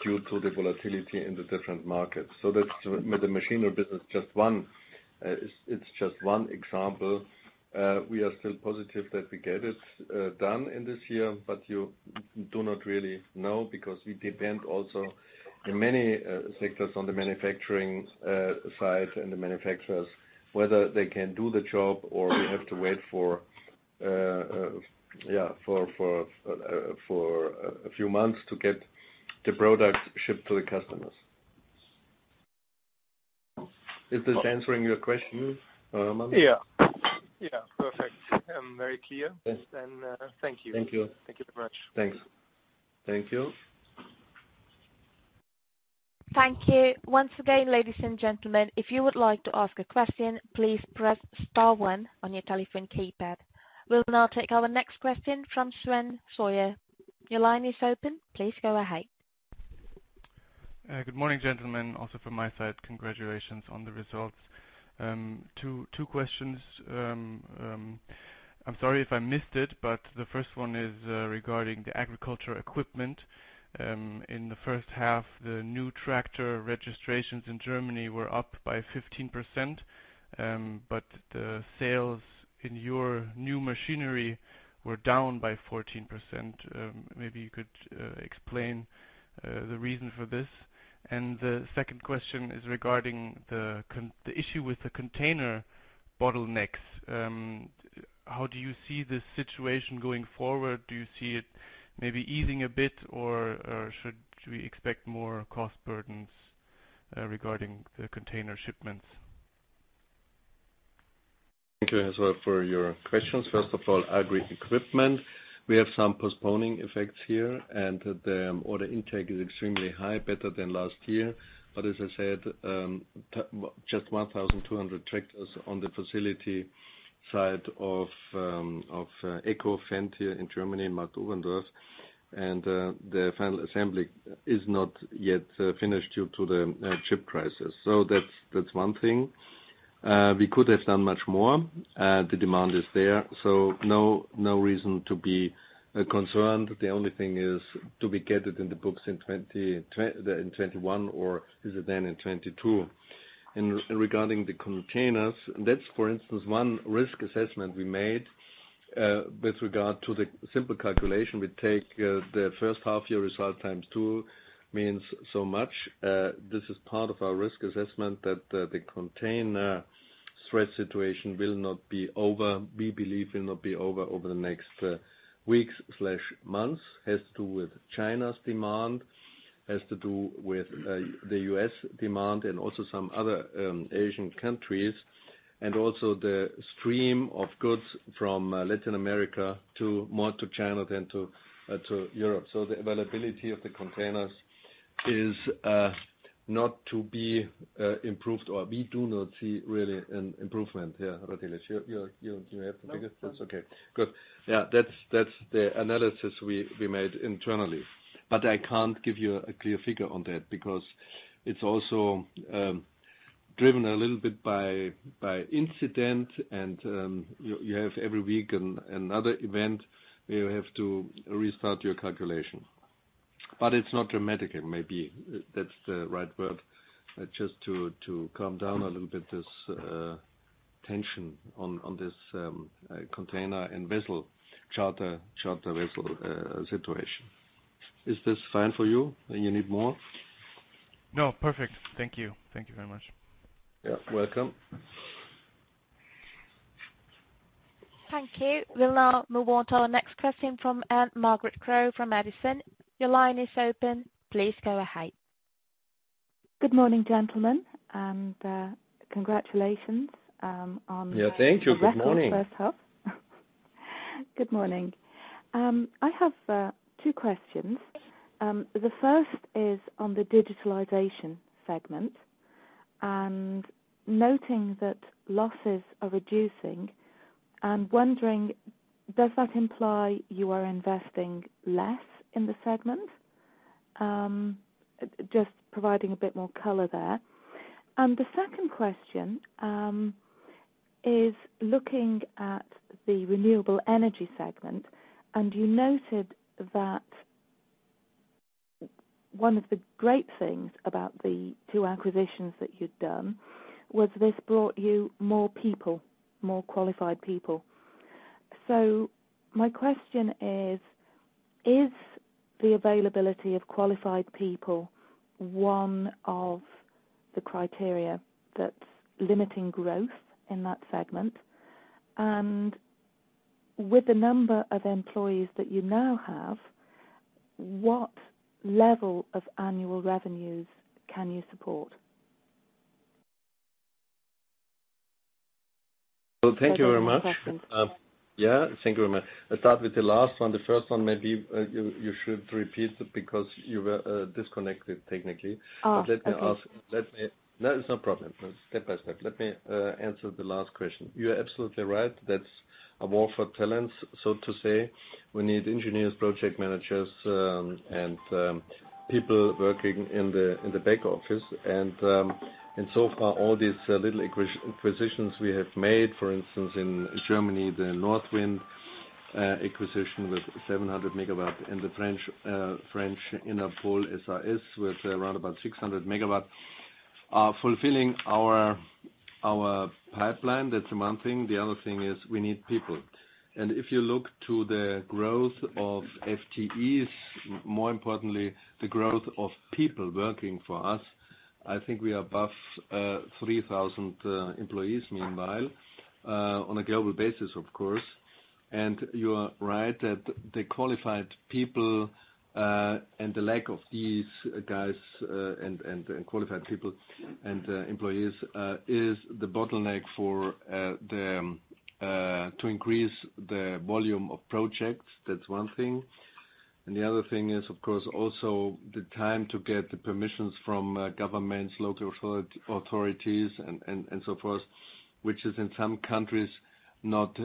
due to the volatility in the different markets. The machinery business, it's just one example. We are still positive that we get it done in this year, but you do not really know because we depend also in many sectors on the manufacturing side and the manufacturers, whether they can do the job or we have to wait for a few months to get the product shipped to the customers. Is this answering your question, Hoymann? Yeah. Perfect. Very clear. Yes. Thank you. Thank you. Thank you very much. Thanks. Thank you. Thank you. Once again, ladies and gentlemen, if you would like to ask a question, please press star one on your telephone keypad. We will now take our next question from Sven Sauer. Your line is open. Please go ahead. Good morning, gentlemen. Also from my side, congratulations on the results. Two questions. I'm sorry if I missed it, the first one is regarding the agriculture equipment. In the first half, the new tractor registrations in Germany were up by 15%, the sales in your new machinery were down by 14%. Maybe you could explain the reason for this. The second question is regarding the issue with the container bottlenecks. How do you see this situation going forward? Do you see it maybe easing a bit, or should we expect more cost burdens regarding the container shipments? Thank you as well for your questions. First of all, agri equipment. We have some postponing effects here, and the order intake is extremely high, better than last year. As I said, just 1,200 tractors on the facility side of AGCO/Fendt here in Germany, Marktoberdorf, and the final assembly is not yet finished due to the chip crisis. That's one thing. We could have done much more. The demand is there, so no reason to be concerned. The only thing is, do we get it in the books in 2021 or is it then in 2022? Regarding the containers, that's, for instance, one risk assessment we made with regard to the simple calculation. We take the first half-year result times two means so much. This is part of our risk assessment that the container threat situation we believe will not be over the next weeks/months. Has to do with China's demand, has to do with the U.S. demand and also some other Asian countries, and also the stream of goods from Latin America more to China than to Europe. The availability of the containers is not to be improved, or we do not see really an improvement. Yeah, Radeljic, you have the biggest? No. It's okay. Good. Yeah, that's the analysis we made internally. I can't give you a clear figure on that because it's also driven a little bit by incident and you have every week another event where you have to restart your calculation. It's not dramatic, maybe that's the right word. Just to calm down a little bit, this tension on this container and vessel charter vessel situation. Is this fine for you? You need more? No, perfect. Thank you. Thank you very much. Yeah, welcome. Thank you. We'll now move on to our next question from Ann Margaret Crow from Edison. Your line is open. Please go ahead. Good morning, gentlemen, and congratulations. Yeah, thank you. Good morning. The record first half. Good morning. I have two questions. The first is on the digitalization segment, and noting that losses are reducing, I'm wondering, does that imply you are investing less in the segment? Just providing a bit more color there. The second question, is looking at the renewable energy segment, and you noted that one of the great things about the two acquisitions that you'd done was this brought you more people, more qualified people. My question is the availability of qualified people one of the criteria that's limiting growth in that segment? With the number of employees that you now have, what level of annual revenues can you support? Thank you very much. Yeah, thank you very much. I'll start with the last one. The first one, maybe, you should repeat because you were disconnected technically. Oh, okay. No, it's no problem. Step by step. Let me answer the last question. You are absolutely right. That's a war for talent, so to say. We need engineers, project managers, and people working in the back office. All these little acquisitions we have made, for instance, in Germany, the NWind acquisition with 700 MW, and the French Enerpole SAS with around about 600 MW, are fulfilling our pipeline. That's one thing. The other thing is we need people. If you look to the growth of FTEs, more importantly, the growth of people working for us, I think we are above 3,000 employees meanwhile, on a global basis, of course. You are right that the qualified people, and the lack of these guys and qualified people and employees is the bottleneck to increase the volume of projects. That's one thing. The other thing is, of course, also the time to get the permissions from governments, local authorities, and so forth, which is in some countries not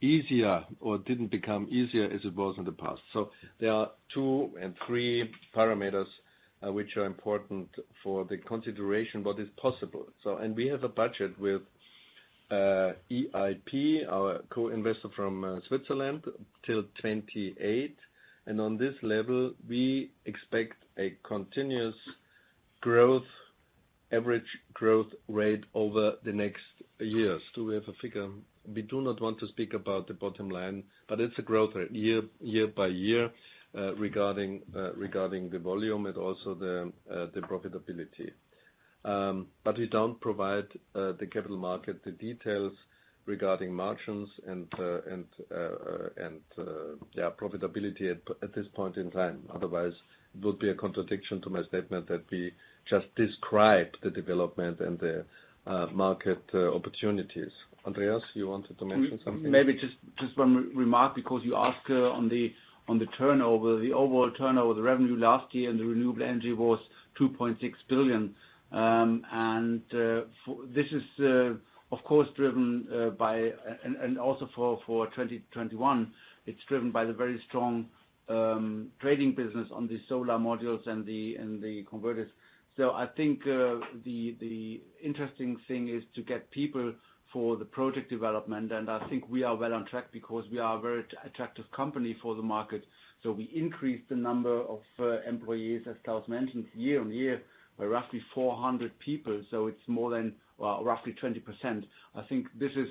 easier or didn't become easier as it was in the past. There are two and three parameters which are important for the consideration what is possible. We have a budget with EIP, our co-investor from Switzerland, till 2028. On this level, we expect a continuous average growth rate over the next years. Do we have a figure? We do not want to speak about the bottom line, but it's a growth rate year by year, regarding the volume and also the profitability. We don't provide the capital market the details regarding margins and their profitability at this point in time. Otherwise, it would be a contradiction to my statement that we just described the development and the market opportunities. Andreas, you wanted to mention something? Maybe just one remark, because you asked on the turnover. The overall turnover, the revenue last year in the renewable energy was 2.6 billion. Also for 2021, it's driven by the very strong trading business on the solar modules and the converters. I think the interesting thing is to get people for the project development, and I think we are well on track because we are a very attractive company for the market. We increased the number of employees, as Klaus mentioned, year-on-year, by roughly 400 people. It's more than roughly 20%. I think this is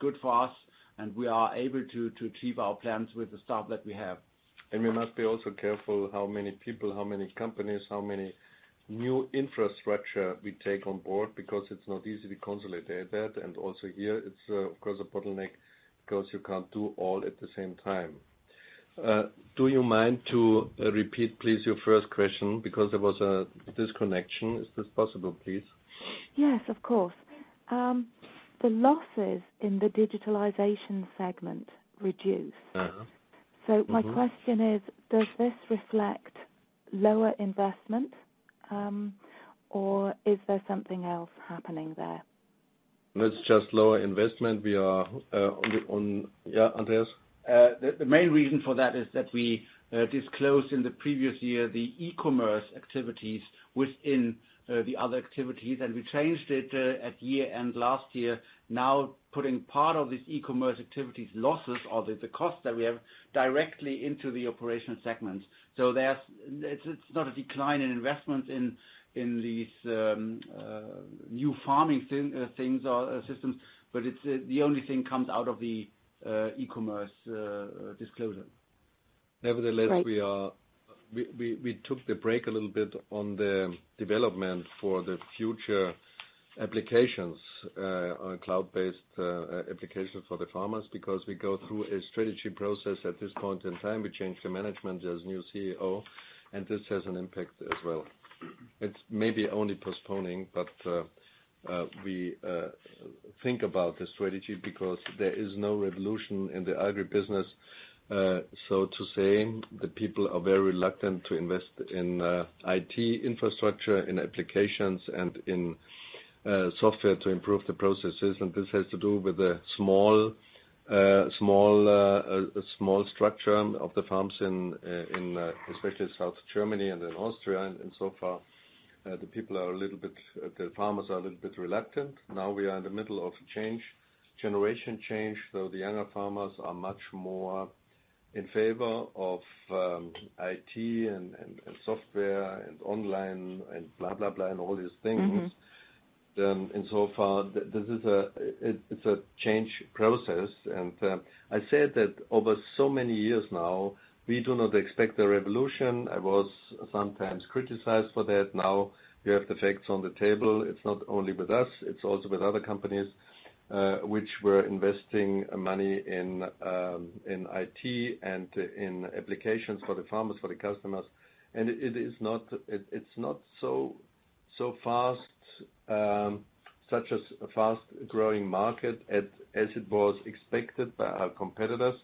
good for us, and we are able to achieve our plans with the staff that we have. We must be also careful how many people, how many companies, how many new infrastructure we take on board, because it's not easy to consolidate that. Also here it's, of course, a bottleneck because you can't do all at the same time. Do you mind to repeat, please, your first question because there was a disconnection? Is this possible, please? Yes, of course. The losses in the digitalization segment reduced. My question is, does this reflect lower investment? Or is there something else happening there? That's just lower investment. Yeah, Andreas? The main reason for that is that we disclosed in the previous year the e-commerce activities within the other activities, and we changed it at year-end last year. Putting part of this e-commerce activity losses or the cost that we have directly into the operational segments. It's not a decline in investment in these new farming things or systems, but the only thing comes out of the e-commerce disclosure. Nevertheless- Right. we took the break a little bit on the development for the future applications, cloud-based applications for the farmers, because we go through a strategy process at this point in time. We changed the management, there's new CEO. This has an impact as well. It's maybe only postponing. We think about the strategy because there is no revolution in the agribusiness. To say, the people are very reluctant to invest in IT infrastructure, in applications, and in software to improve the processes. This has to do with the small structure of the farms in especially South Germany and in Austria. So far, the farmers are a little bit reluctant. Now we are in the middle of change, generation change, so the younger farmers are much more in favor of IT and software and online and blah, blah, and all these things. So far, it's a change process. I said that over so many years now, we do not expect a revolution. I was sometimes criticized for that. Now we have the facts on the table. It's not only with us, it's also with other companies, which were investing money in IT and in applications for the farmers, for the customers. It's not such a fast-growing market as it was expected by our competitors.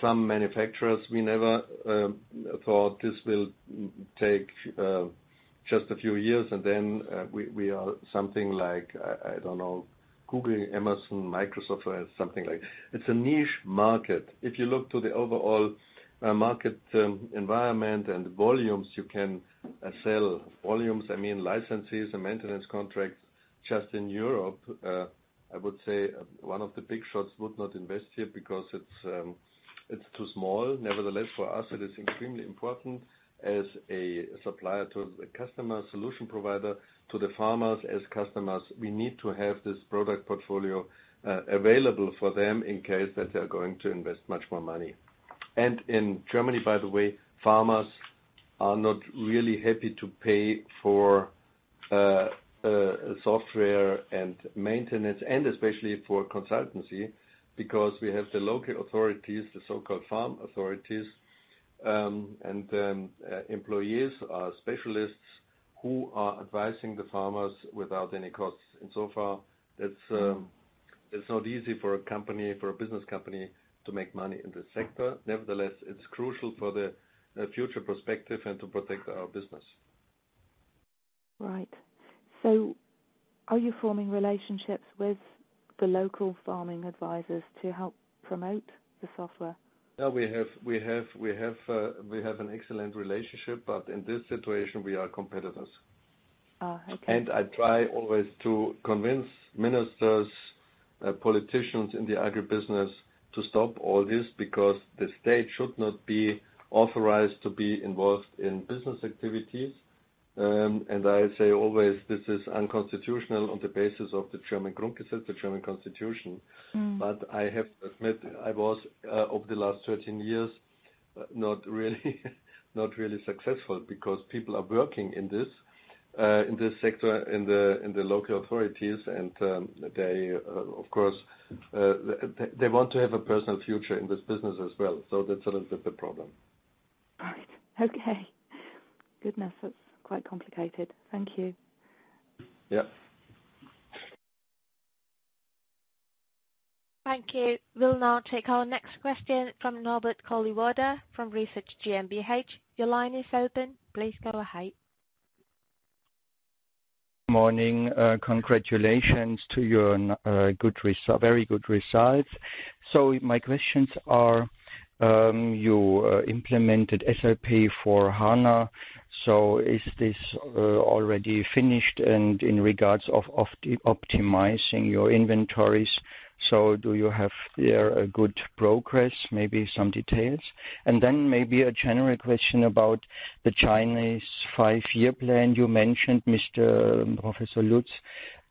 Some manufacturers, we never thought this will take just a few years and then we are something like, I don't know, Google, Amazon, Microsoft, something like. It's a niche market. If you look to the overall market environment and volumes, you can sell volumes, I mean licenses and maintenance contracts just in Europe. I would say one of the big shots would not invest here because it's too small. Nevertheless, for us, it is extremely important as a supplier to a customer solution provider to the farmers as customers. We need to have this product portfolio available for them in case that they're going to invest much more money. In Germany, by the way, farmers are not really happy to pay for software and maintenance and especially for consultancy because we have the local authorities, the so-called farm authorities, and employees are specialists who are advising the farmers without any costs. So far, it's not easy for a business company to make money in this sector. Nevertheless, it's crucial for the future perspective and to protect our business. Right. Are you forming relationships with the local farming advisors to help promote the software? Yeah, we have an excellent relationship, but in this situation, we are competitors. Oh, okay. I try always to convince ministers, politicians in the agribusiness to stop all this because the state should not be authorized to be involved in business activities. I say always, this is unconstitutional on the basis of the German constitution. I have to admit, I was, over the last 13 years, not really successful because people are working in this sector, in the local authorities, and they want to have a personal future in this business as well. That's a little bit the problem. Right. Okay. Goodness, that's quite complicated. Thank you. Yep. Thank you. We'll now take our next question from Norbert Kalliwoda from Research GmbH. Your line is open. Please go ahead. Morning. Congratulations to your very good results. My questions are, you implemented SAP HANA. Is this already finished? In regards of optimizing your inventories, do you have there a good progress, maybe some details? Maybe a general question about the Chinese five-year plan you mentioned, Professor Lutz.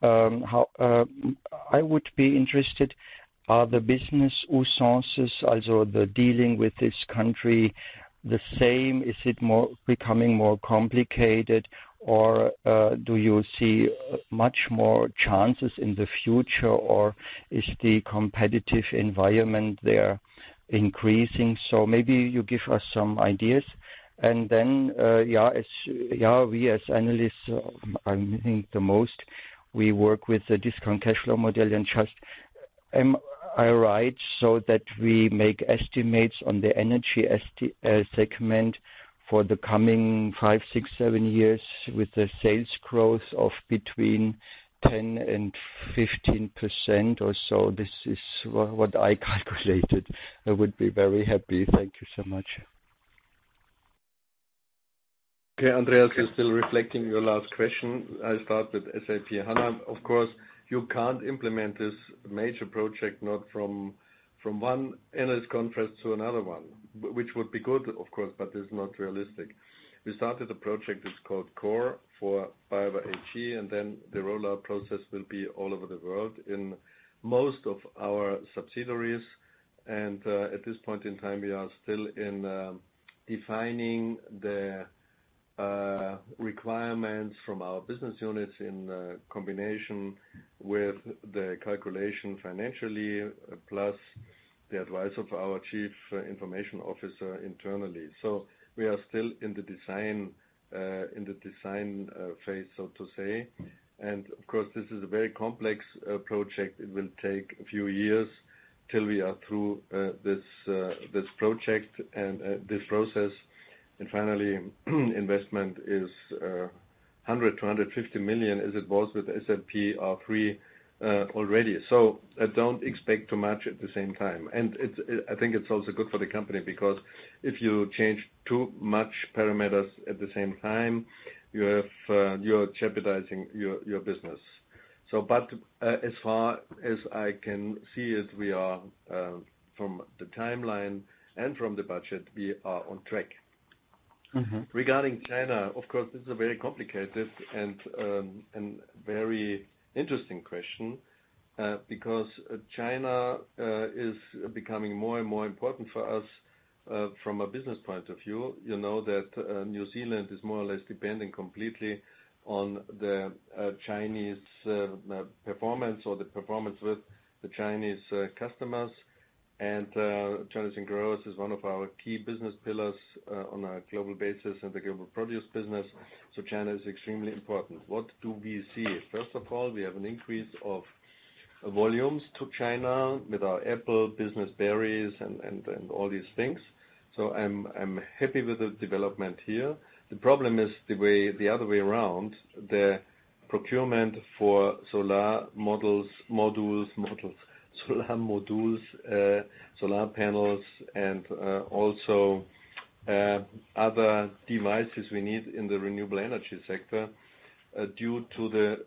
I would be interested, are the business usances, also the dealing with this country the same? Is it becoming more complicated, or do you see much more chances in the future, or is the competitive environment there increasing? Maybe you give us some ideas. We as analysts, I think the most we work with the Discounted Cash Flow model. Am I right that we make estimates on the energy segment for the coming five, six, seven years with the sales growth of between 10%-15% or so? This is what I calculated. I would be very happy. Thank you so much. Okay, Andreas, you're still reflecting your last question. I start with SAP HANA. Of course, you can't implement this major project, not from one analyst conference to another one. It would be good, of course, but it's not realistic. We started a project that's called Core for BayWa AG. The rollout process will be all over the world in most of our subsidiaries. At this point in time, we are still in defining the requirements from our business units in combination with the calculation financially, plus the advice of our chief information officer internally. We are still in the design phase, so to say. Of course, this is a very complex project. It will take a few years till we are through this project and this process. Finally, investment is 100 million-150 million, as it was with SAP R/3 already. I don't expect too much at the same time. I think it's also good for the company because if you change too much parameters at the same time, you are jeopardizing your business. As far as I can see it, from the timeline and from the budget, we are on track. Regarding China, of course, this is a very complicated and very interesting question, because China is becoming more and more important for us from a business point of view. You know that New Zealand is more or less depending completely on the Chinese performance or the performance with the Chinese customers. T&G Global is one of our key business pillars on a global basis in the global produce business. China is extremely important. What do we see? First of all, we have an increase of volumes to China with our apple business, berries, and all these things. I'm happy with the development here. The problem is the other way around. The procurement for solar modules, solar panels, and also other devices we need in the renewable energy sector due to the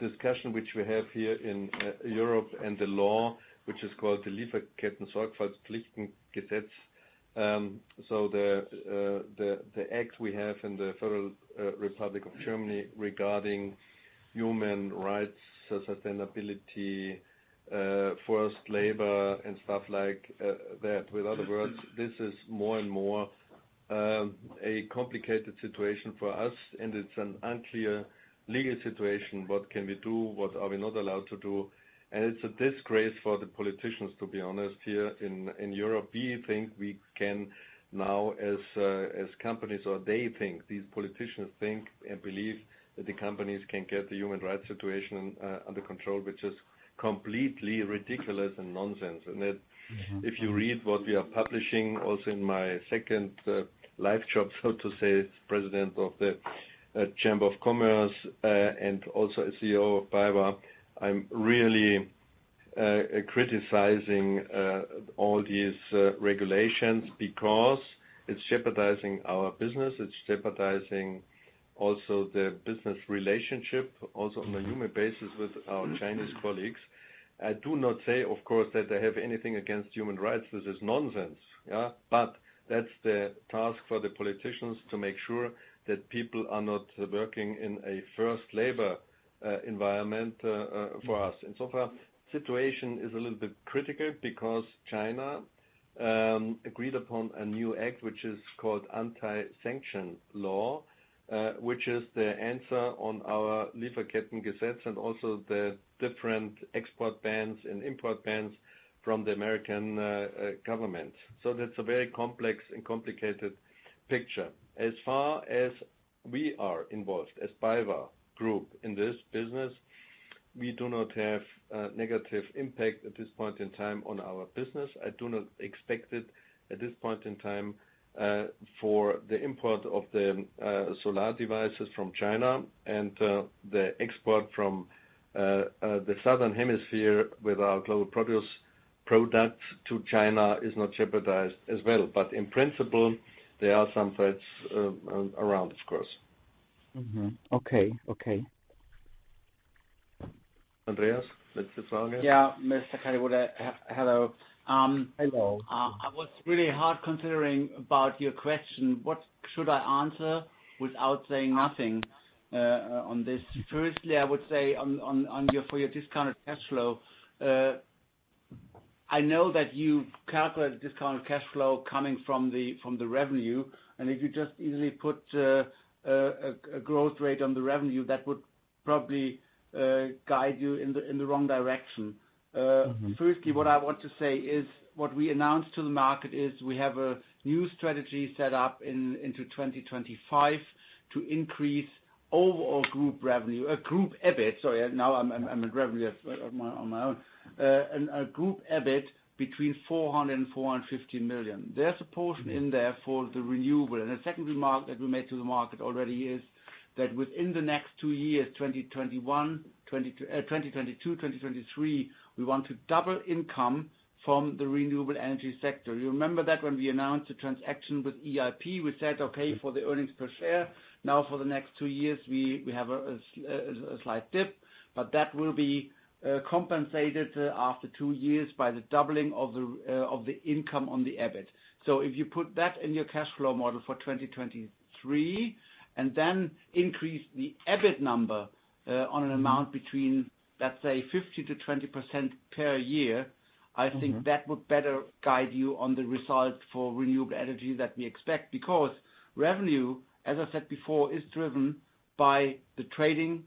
discussion which we have here in Europe and the law, which is called the Lieferkettensorgfaltspflichtengesetz. The act we have in the Federal Republic of Germany regarding human rights, sustainability, forced labor and stuff like that. With other words, this is more and more a complicated situation for us, and it is an unclear legal situation. What can we do? What are we not allowed to do? It is a disgrace for the politicians, to be honest here in Europe. We think we can now as companies, or they think, these politicians think and believe that the companies can get the human rights situation under control, which is completely ridiculous and nonsense. If you read what we are publishing also in my second live job, so to say, as president of the Chamber of Commerce and also as CEO of BayWa, I'm really criticizing all these regulations because it's jeopardizing our business. It's jeopardizing also the business relationship also on a human basis with our Chinese colleagues. I do not say, of course, that they have anything against human rights. This is nonsense. That's the task for the politicians to make sure that people are not working in a forced labor environment for us. So far, situation is a little bit critical because China agreed upon a new act, which is called Anti-Sanction Law, which is the answer on our Lieferkettengesetz and also the different export bans and import bans from the American government. That's a very complex and complicated picture. As far as we are involved as BayWa Group in this business, we do not have a negative impact at this point in time on our business. I do not expect it at this point in time for the import of the solar devices from China and the export from the Southern Hemisphere with our global produce products to China is not jeopardized as well. In principle, there are some threats around, of course. Okay. Andreas, Yeah. Mr. Kalliwoda, hello. Hello. I was really hard considering about your question. What should I answer without saying nothing on this? Firstly, I would say for your Discounted Cash Flow, I know that you've calculated Discounted Cash Flow coming from the revenue, and if you just easily put a growth rate on the revenue, that would probably guide you in the wrong direction. Firstly, what I want to say is, what we announced to the market is we have a new strategy set up into 2025 to increase overall Group EBIT. Sorry. Now I'm in revenue on my own. A Group EBIT between 400 million and 450 million. There's a portion in there for the renewable. The second remark that we made to the market already is that within the next two years, 2022, 2023, we want to double income from the renewable energy sector. You remember that when we announced the transaction with EIP, we said, okay, for the earnings per share. Now for the next two years, we have a slight dip, but that will be compensated after two years by the doubling of the income on the EBIT. If you put that in your cash flow model for 2023 and then increase the EBIT number on an amount between, let's say, 15%-20% per year, I think that would better guide you on the results for renewable energy that we expect. Revenue, as I said before, is driven by the trading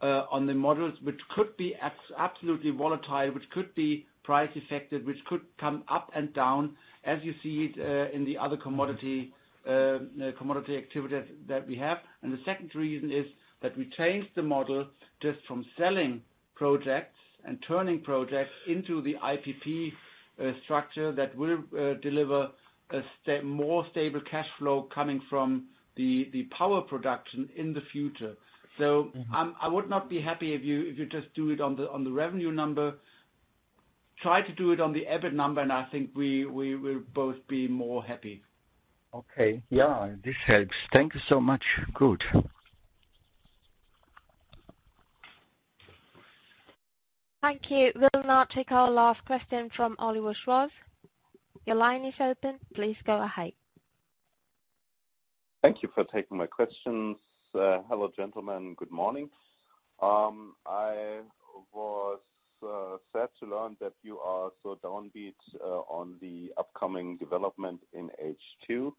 on the models, which could be absolutely volatile, which could be price affected, which could come up and down as you see it in the other commodity activities that we have. The second reason is that we changed the model just from selling projects and turning projects into the IPP structure that will deliver a more stable cash flow coming from the power production in the future. I would not be happy if you just do it on the revenue number. Try to do it on the EBIT number, and I think we will both be more happy. Okay. Yeah, this helps. Thank you so much. Good. Thank you. We'll now take our last question from Oliver Schwarz. Your line is open. Please go ahead. Thank you for taking my questions. Hello, gentlemen. Good morning. I was sad to learn that you are so downbeat on the upcoming development in H2.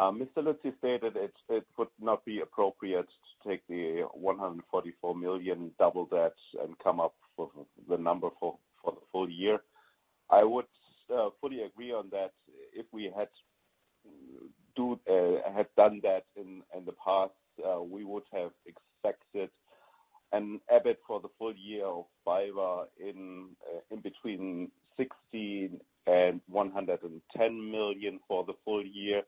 Mr. Lutz stated it would not be appropriate to take the 144 million, double that, and come up with the number for the full year. I would fully agree on that. If we had done that in the past, we would have expected an EBIT for the full year of BayWa in between 16 million and 110 million for the full year.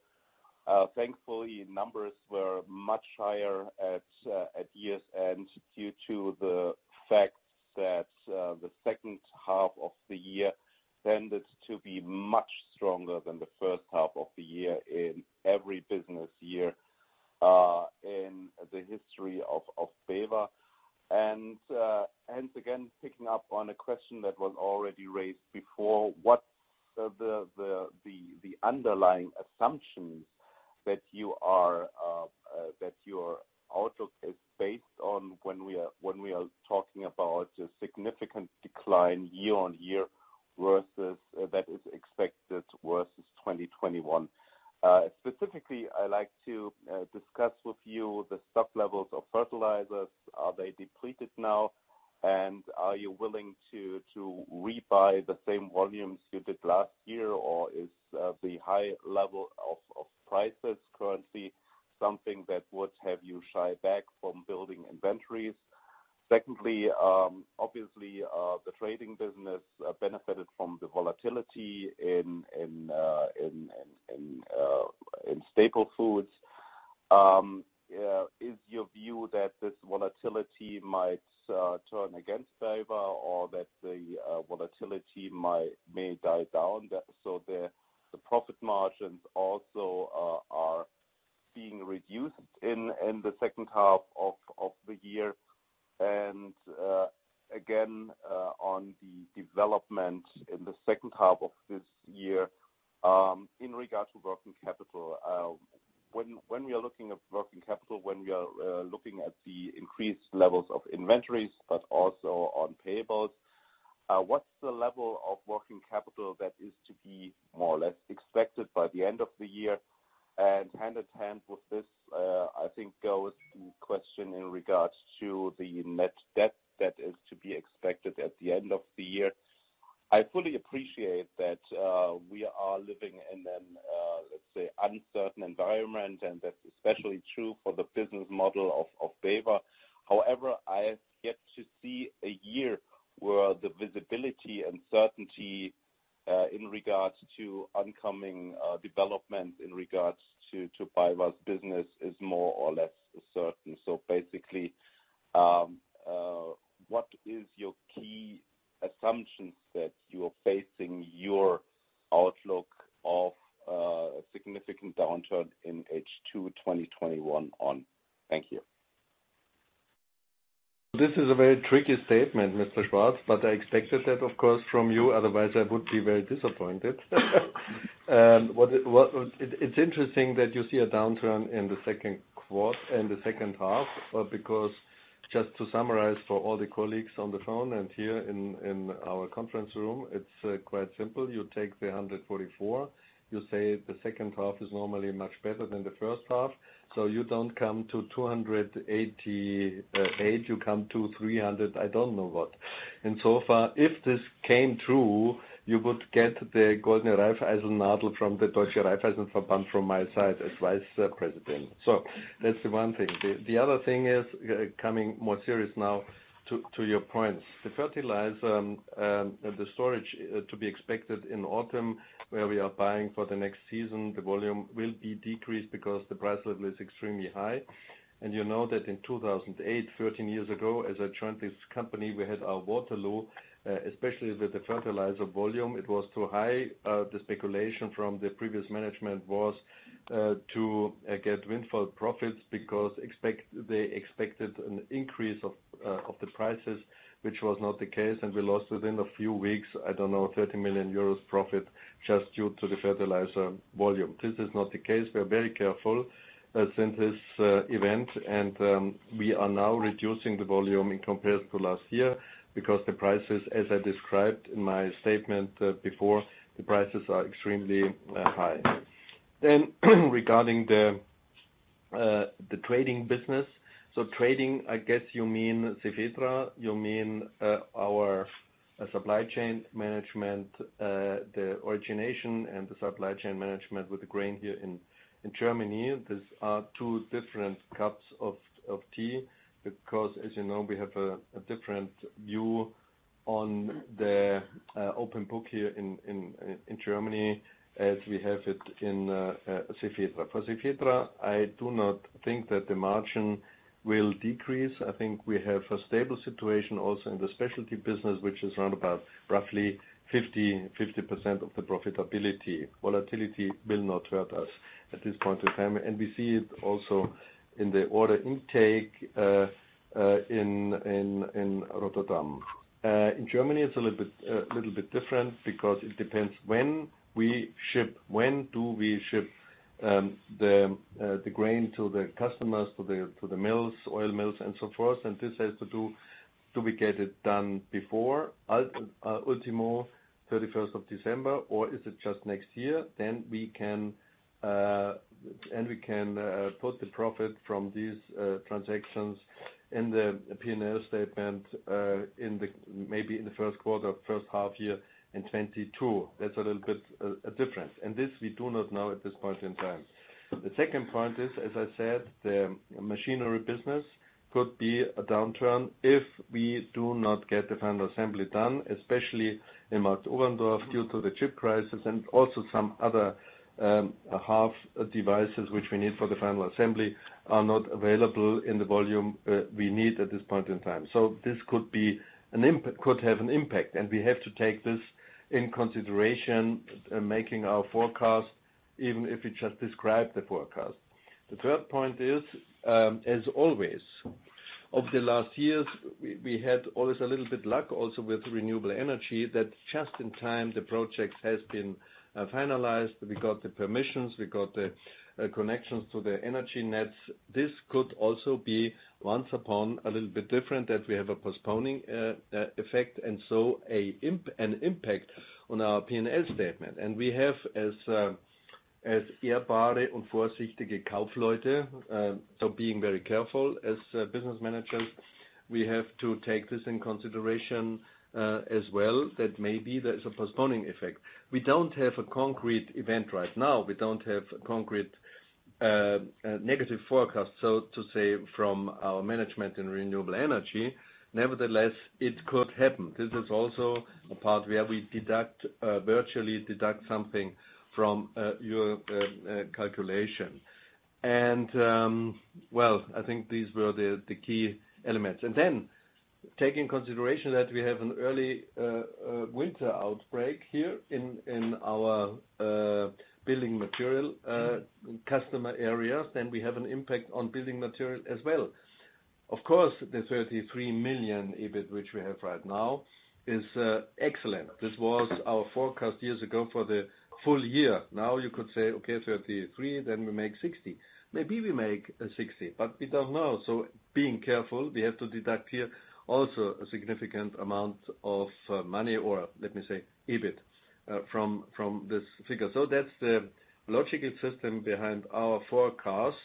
Thankfully, numbers were much higher at year's end due to the fact that the second half of the year tended to be much stronger than the first half of the year in every business year in the history of BayWa. Hence, again, picking up on a question that was already raised before, what's the underlying assumptions that your outlook is based on when we are talking about a significant decline year-over-year that is expected versus 2021? Specifically, I like to discuss with you the stock levels of fertilizers. Are they depleted now? Are you willing to rebuy the same volumes you did last year, or is the high level of prices currently something that would have you shy back from building inventories? Secondly, obviously, the trading business benefited from the volatility in staple foods. Is your view that this volatility might turn against BayWa or that the volatility may die down, so the profit margins also are being reduced in the second half of the year? Again, on the development in the second half of this year, in regard to working capital, when we are looking at the increased levels of inventories, but also on payables, what's the level so you don't come to 288 million, you come to 300 million, I don't know what. So far, if this came true, you would get the Goldene Raiffeisennadel from the Deutscher Raiffeisenverband from my side as vice president. That's the one thing. The other thing is, coming more serious now to your points. The fertilizer and the storage to be expected in autumn, where we are buying for the next season, the volume will be decreased because the price level is extremely high. You know that in 2008, 13 years ago, as I joined this company, we had our Waterloo, especially with the fertilizer volume. It was too high. The speculation from the previous management was to get windfall profits because they expected an increase of the prices, which was not the case, and we lost within a few weeks, I don't know, 30 million euros profit just due to the fertilizer volume. This is not the case. We are very careful since this event. We are now reducing the volume in comparison to last year because the prices, as I described in my statement before, the prices are extremely high. Regarding the trading business. Trading, I guess you mean Cefetra, you mean our supply chain management, the origination, and the supply chain management with the grain here in Germany. These are two different cups of tea because, as you know, we have a different view on the open book here in Germany as we have it in Cefetra. For Cefetra, I do not think that the margin will decrease. I think we have a stable situation also in the specialty business, which is around about roughly 50% of the profitability. Volatility will not hurt us at this point in time. We see it also in the order intake in Rotterdam. In Germany, it's a little bit different because it depends when we ship, when do we ship the grain to the customers, to the mills, oil mills, and so forth. This has to do we get it done before ultimo 31st of December, or is it just next year? We can put the profit from these transactions in the P&L statement maybe in the first quarter, first half year in 2022. That's a little bit a difference. This we do not know at this point in time. The second point is, as I said, the machinery business could be a downturn if we do not get the final assembly done, especially in Marktoberdorf, due to the chip crisis and also some other half devices which we need for the final assembly are not available in the volume we need at this point in time. This could have an impact, and we have to take this into consideration making our forecast, even if we just described the forecast. The third point is, as always, of the last years, we had always a little bit luck also with renewable energy, that just in time the project has been finalized. We got the permissions. We got the connections to the energy nets. This could also be once upon a little bit different, that we have a postponing effect, and so an impact on our P&L statement. We have as so being very careful as business managers, we have to take this into consideration as well, that maybe there is a postponing effect. We don't have a concrete event right now. We don't have a concrete negative forecast, so to say, from our management in renewable energy. Nevertheless, it could happen. This is also a part where we deduct, virtually deduct something from your calculation. Well, I think these were the key elements. Then take into consideration that we have an early winter outbreak here in our building material customer areas, then we have an impact on building material as well. Of course, the 33 million EBIT which we have right now is excellent. This was our forecast years ago for the full year. Now you could say, okay, 33 million, then we make 60 million. Maybe we make 60 million, but we don't know. Being careful, we have to deduct here also a significant amount of money or let me say EBIT from this figure. That's the logical system behind our forecast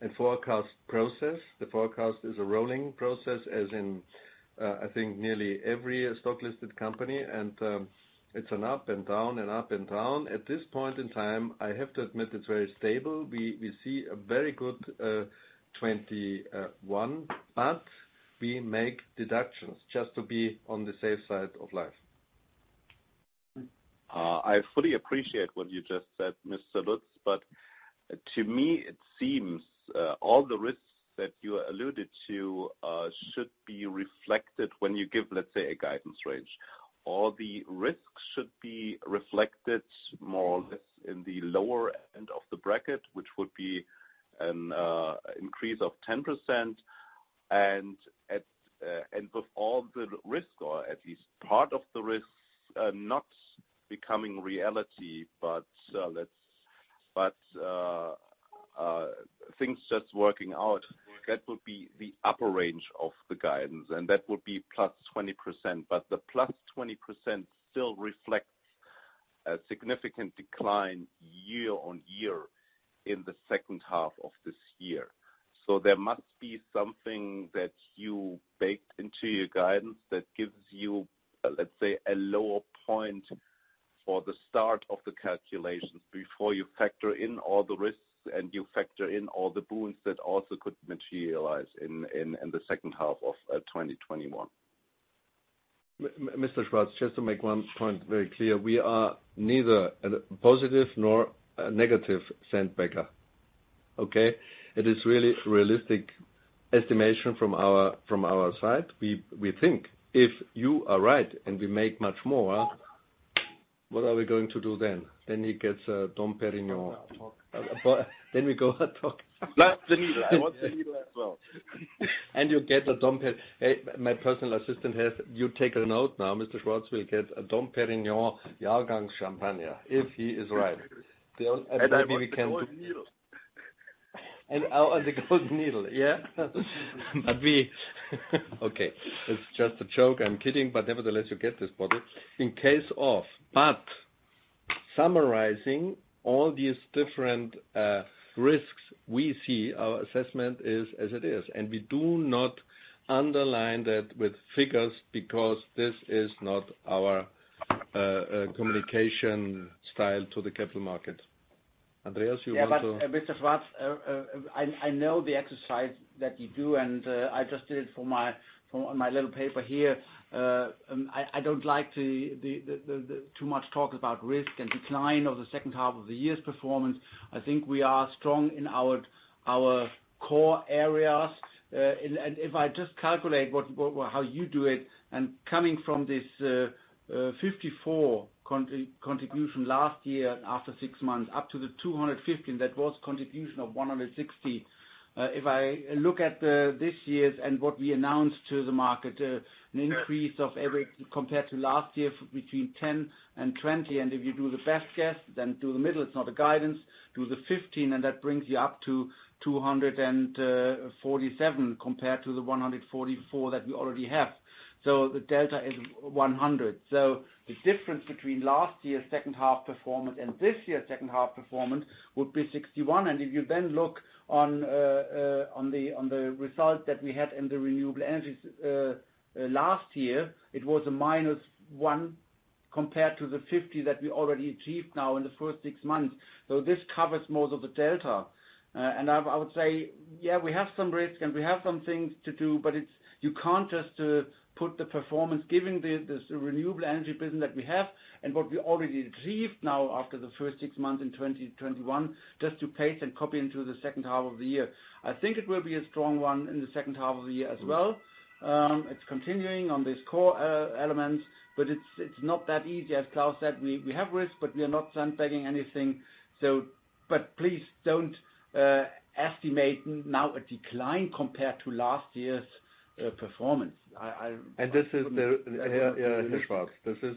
and forecast process. The forecast is a rolling process, as in I think nearly every stock-listed company, and it's an up and down, and up and down. At this point in time, I have to admit it's very stable. We see a very good 2021, but we make deductions just to be on the safe side of life. I fully appreciate what you just said, Mr. Lutz, to me it seems all the risks that you alluded to should be reflected when you give, let's say, a guidance range. All the risks should be reflected more or less in the lower end of the bracket, which would be an increase of 10%. With all the risks, or at least part of the risks not becoming reality, things just working out, that would be the upper range of the guidance, and that would be +20%. The +20% still reflects a significant decline year-over-year in the second half of this year. There must be something that you baked into your guidance that gives you, let's say, a lower point for the start of the calculations before you factor in all the risks and you factor in all the boons that also could materialize in the second half of 2021. Mr. Schwarz, just to make 1 point very clear, we are neither a positive nor a negative sandbagger. Okay? It is really realistic estimation from our side. We think if you are right and we make much more, what are we going to do then? Then he gets a Dom Pérignon. We go out talk. We go out talk. Plus the Needle. I want the Needle as well. You get a Dom Pérignon. My personal assistant, you take a note now, Mr. Schwarz will get a Dom Pérignon vintage Champagne if he is right. I want the Golden Needle. I want the Golden Needle, yeah. Okay. It's just a joke. I'm kidding. Nevertheless, you get this bottle. Summarizing all these different risks we see, our assessment is as it is. We do not underline that with figures because this is not our communication style to the capital market. Andreas. Yeah, Mr. Schwarz, I know the exercise that you do, and I just did it for my little paper here. I don't like too much talk about risk and decline of the second half of the year's performance. I think we are strong in our core areas. If I just calculate how you do it, coming from this 54 million contribution last year after six months up to the 215 million, that was contribution of 160 million. If I look at this year's and what we announced to the market, an increase compared to last year, between 10% and 20%. If you do the best guess, do the middle, it's not a guidance. Do the 15%, that brings you up to 247 million compared to the 144 million that we already have. The delta is 100 million. The difference between last year's second half performance and this year's second half performance would be 61 million. If you look on the result that we had in the renewable energies last year, it was -1 compared to the 50 million that we already achieved now in the first six months. This covers most of the delta. I would say, yeah, we have some risks and we have some things to do, but you can't just put the performance giving this renewable energy business that we have and what we already achieved now after the first six months in 2021, just to paste and copy into the second half of the year. I think it will be a strong one in the second half of the year as well. It's continuing on this core elements, but it's not that easy. As Klaus said, we have risks, but we are not sandbagging anything. Please don't estimate now a decline compared to last year's performance. This is the, here, Oliver Schwarz. This is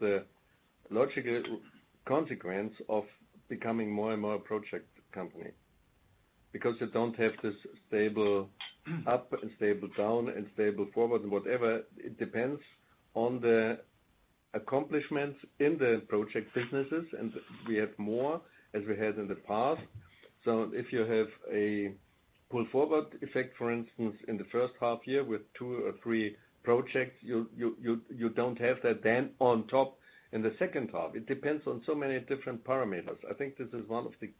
the logical consequence of becoming more and more a project company, because you don't have this stable up and stable down and stable forward, whatever. It depends on the accomplishments in the project businesses, and we have more as we had in the past. If you have a pull-forward effect, for instance, in the first half year with two or three projects, you don't have that then on top in the second half. It depends on so many different parameters. I think this is one of the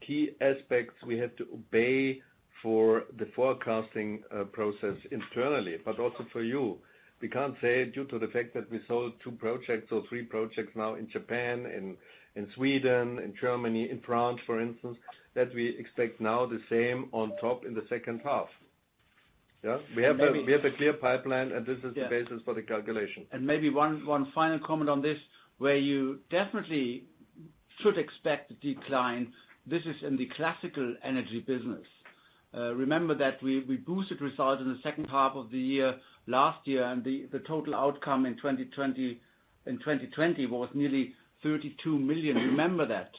key aspects we have to obey for the forecasting process internally, but also for you. We can't say due to the fact that we sold two projects or three projects now in Japan and in Sweden, in Germany, in France, for instance, that we expect now the same on top in the second half. Yeah? We have a clear pipeline, and this is the basis for the calculation. Maybe one final comment on this, where you definitely should expect a decline. This is in the classical energy business. Remember that we boosted results in the second half of the year last year, and the total outcome in 2020 was nearly 32 million. Remember that.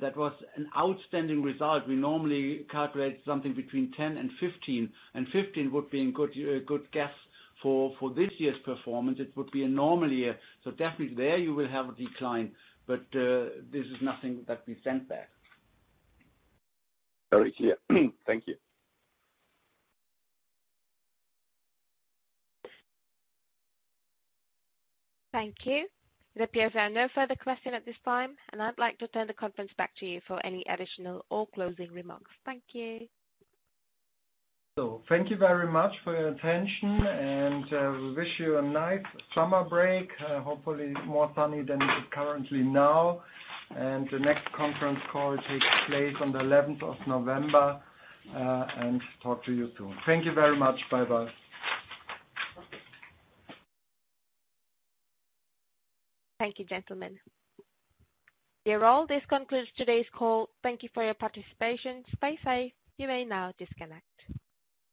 That was an outstanding result. We normally calculate something between 10 million and 15 million, and 15 million would be a good guess for this year's performance. It would be a normal year. Definitely there you will have a decline, but this is nothing that we sandbag. Very clear. Thank you. Thank you. It appears there are no further questions at this time, and I'd like to turn the conference back to you for any additional or closing remarks. Thank you. Thank you very much for your attention, and we wish you a nice summer break, hopefully more sunny than it is currently now. The next conference call takes place on the 11th of November. Talk to you soon. Thank you very much. Bye-bye. Thank you, gentlemen. This concludes today's call. Thank you for your participation. Stay safe. You may now disconnect.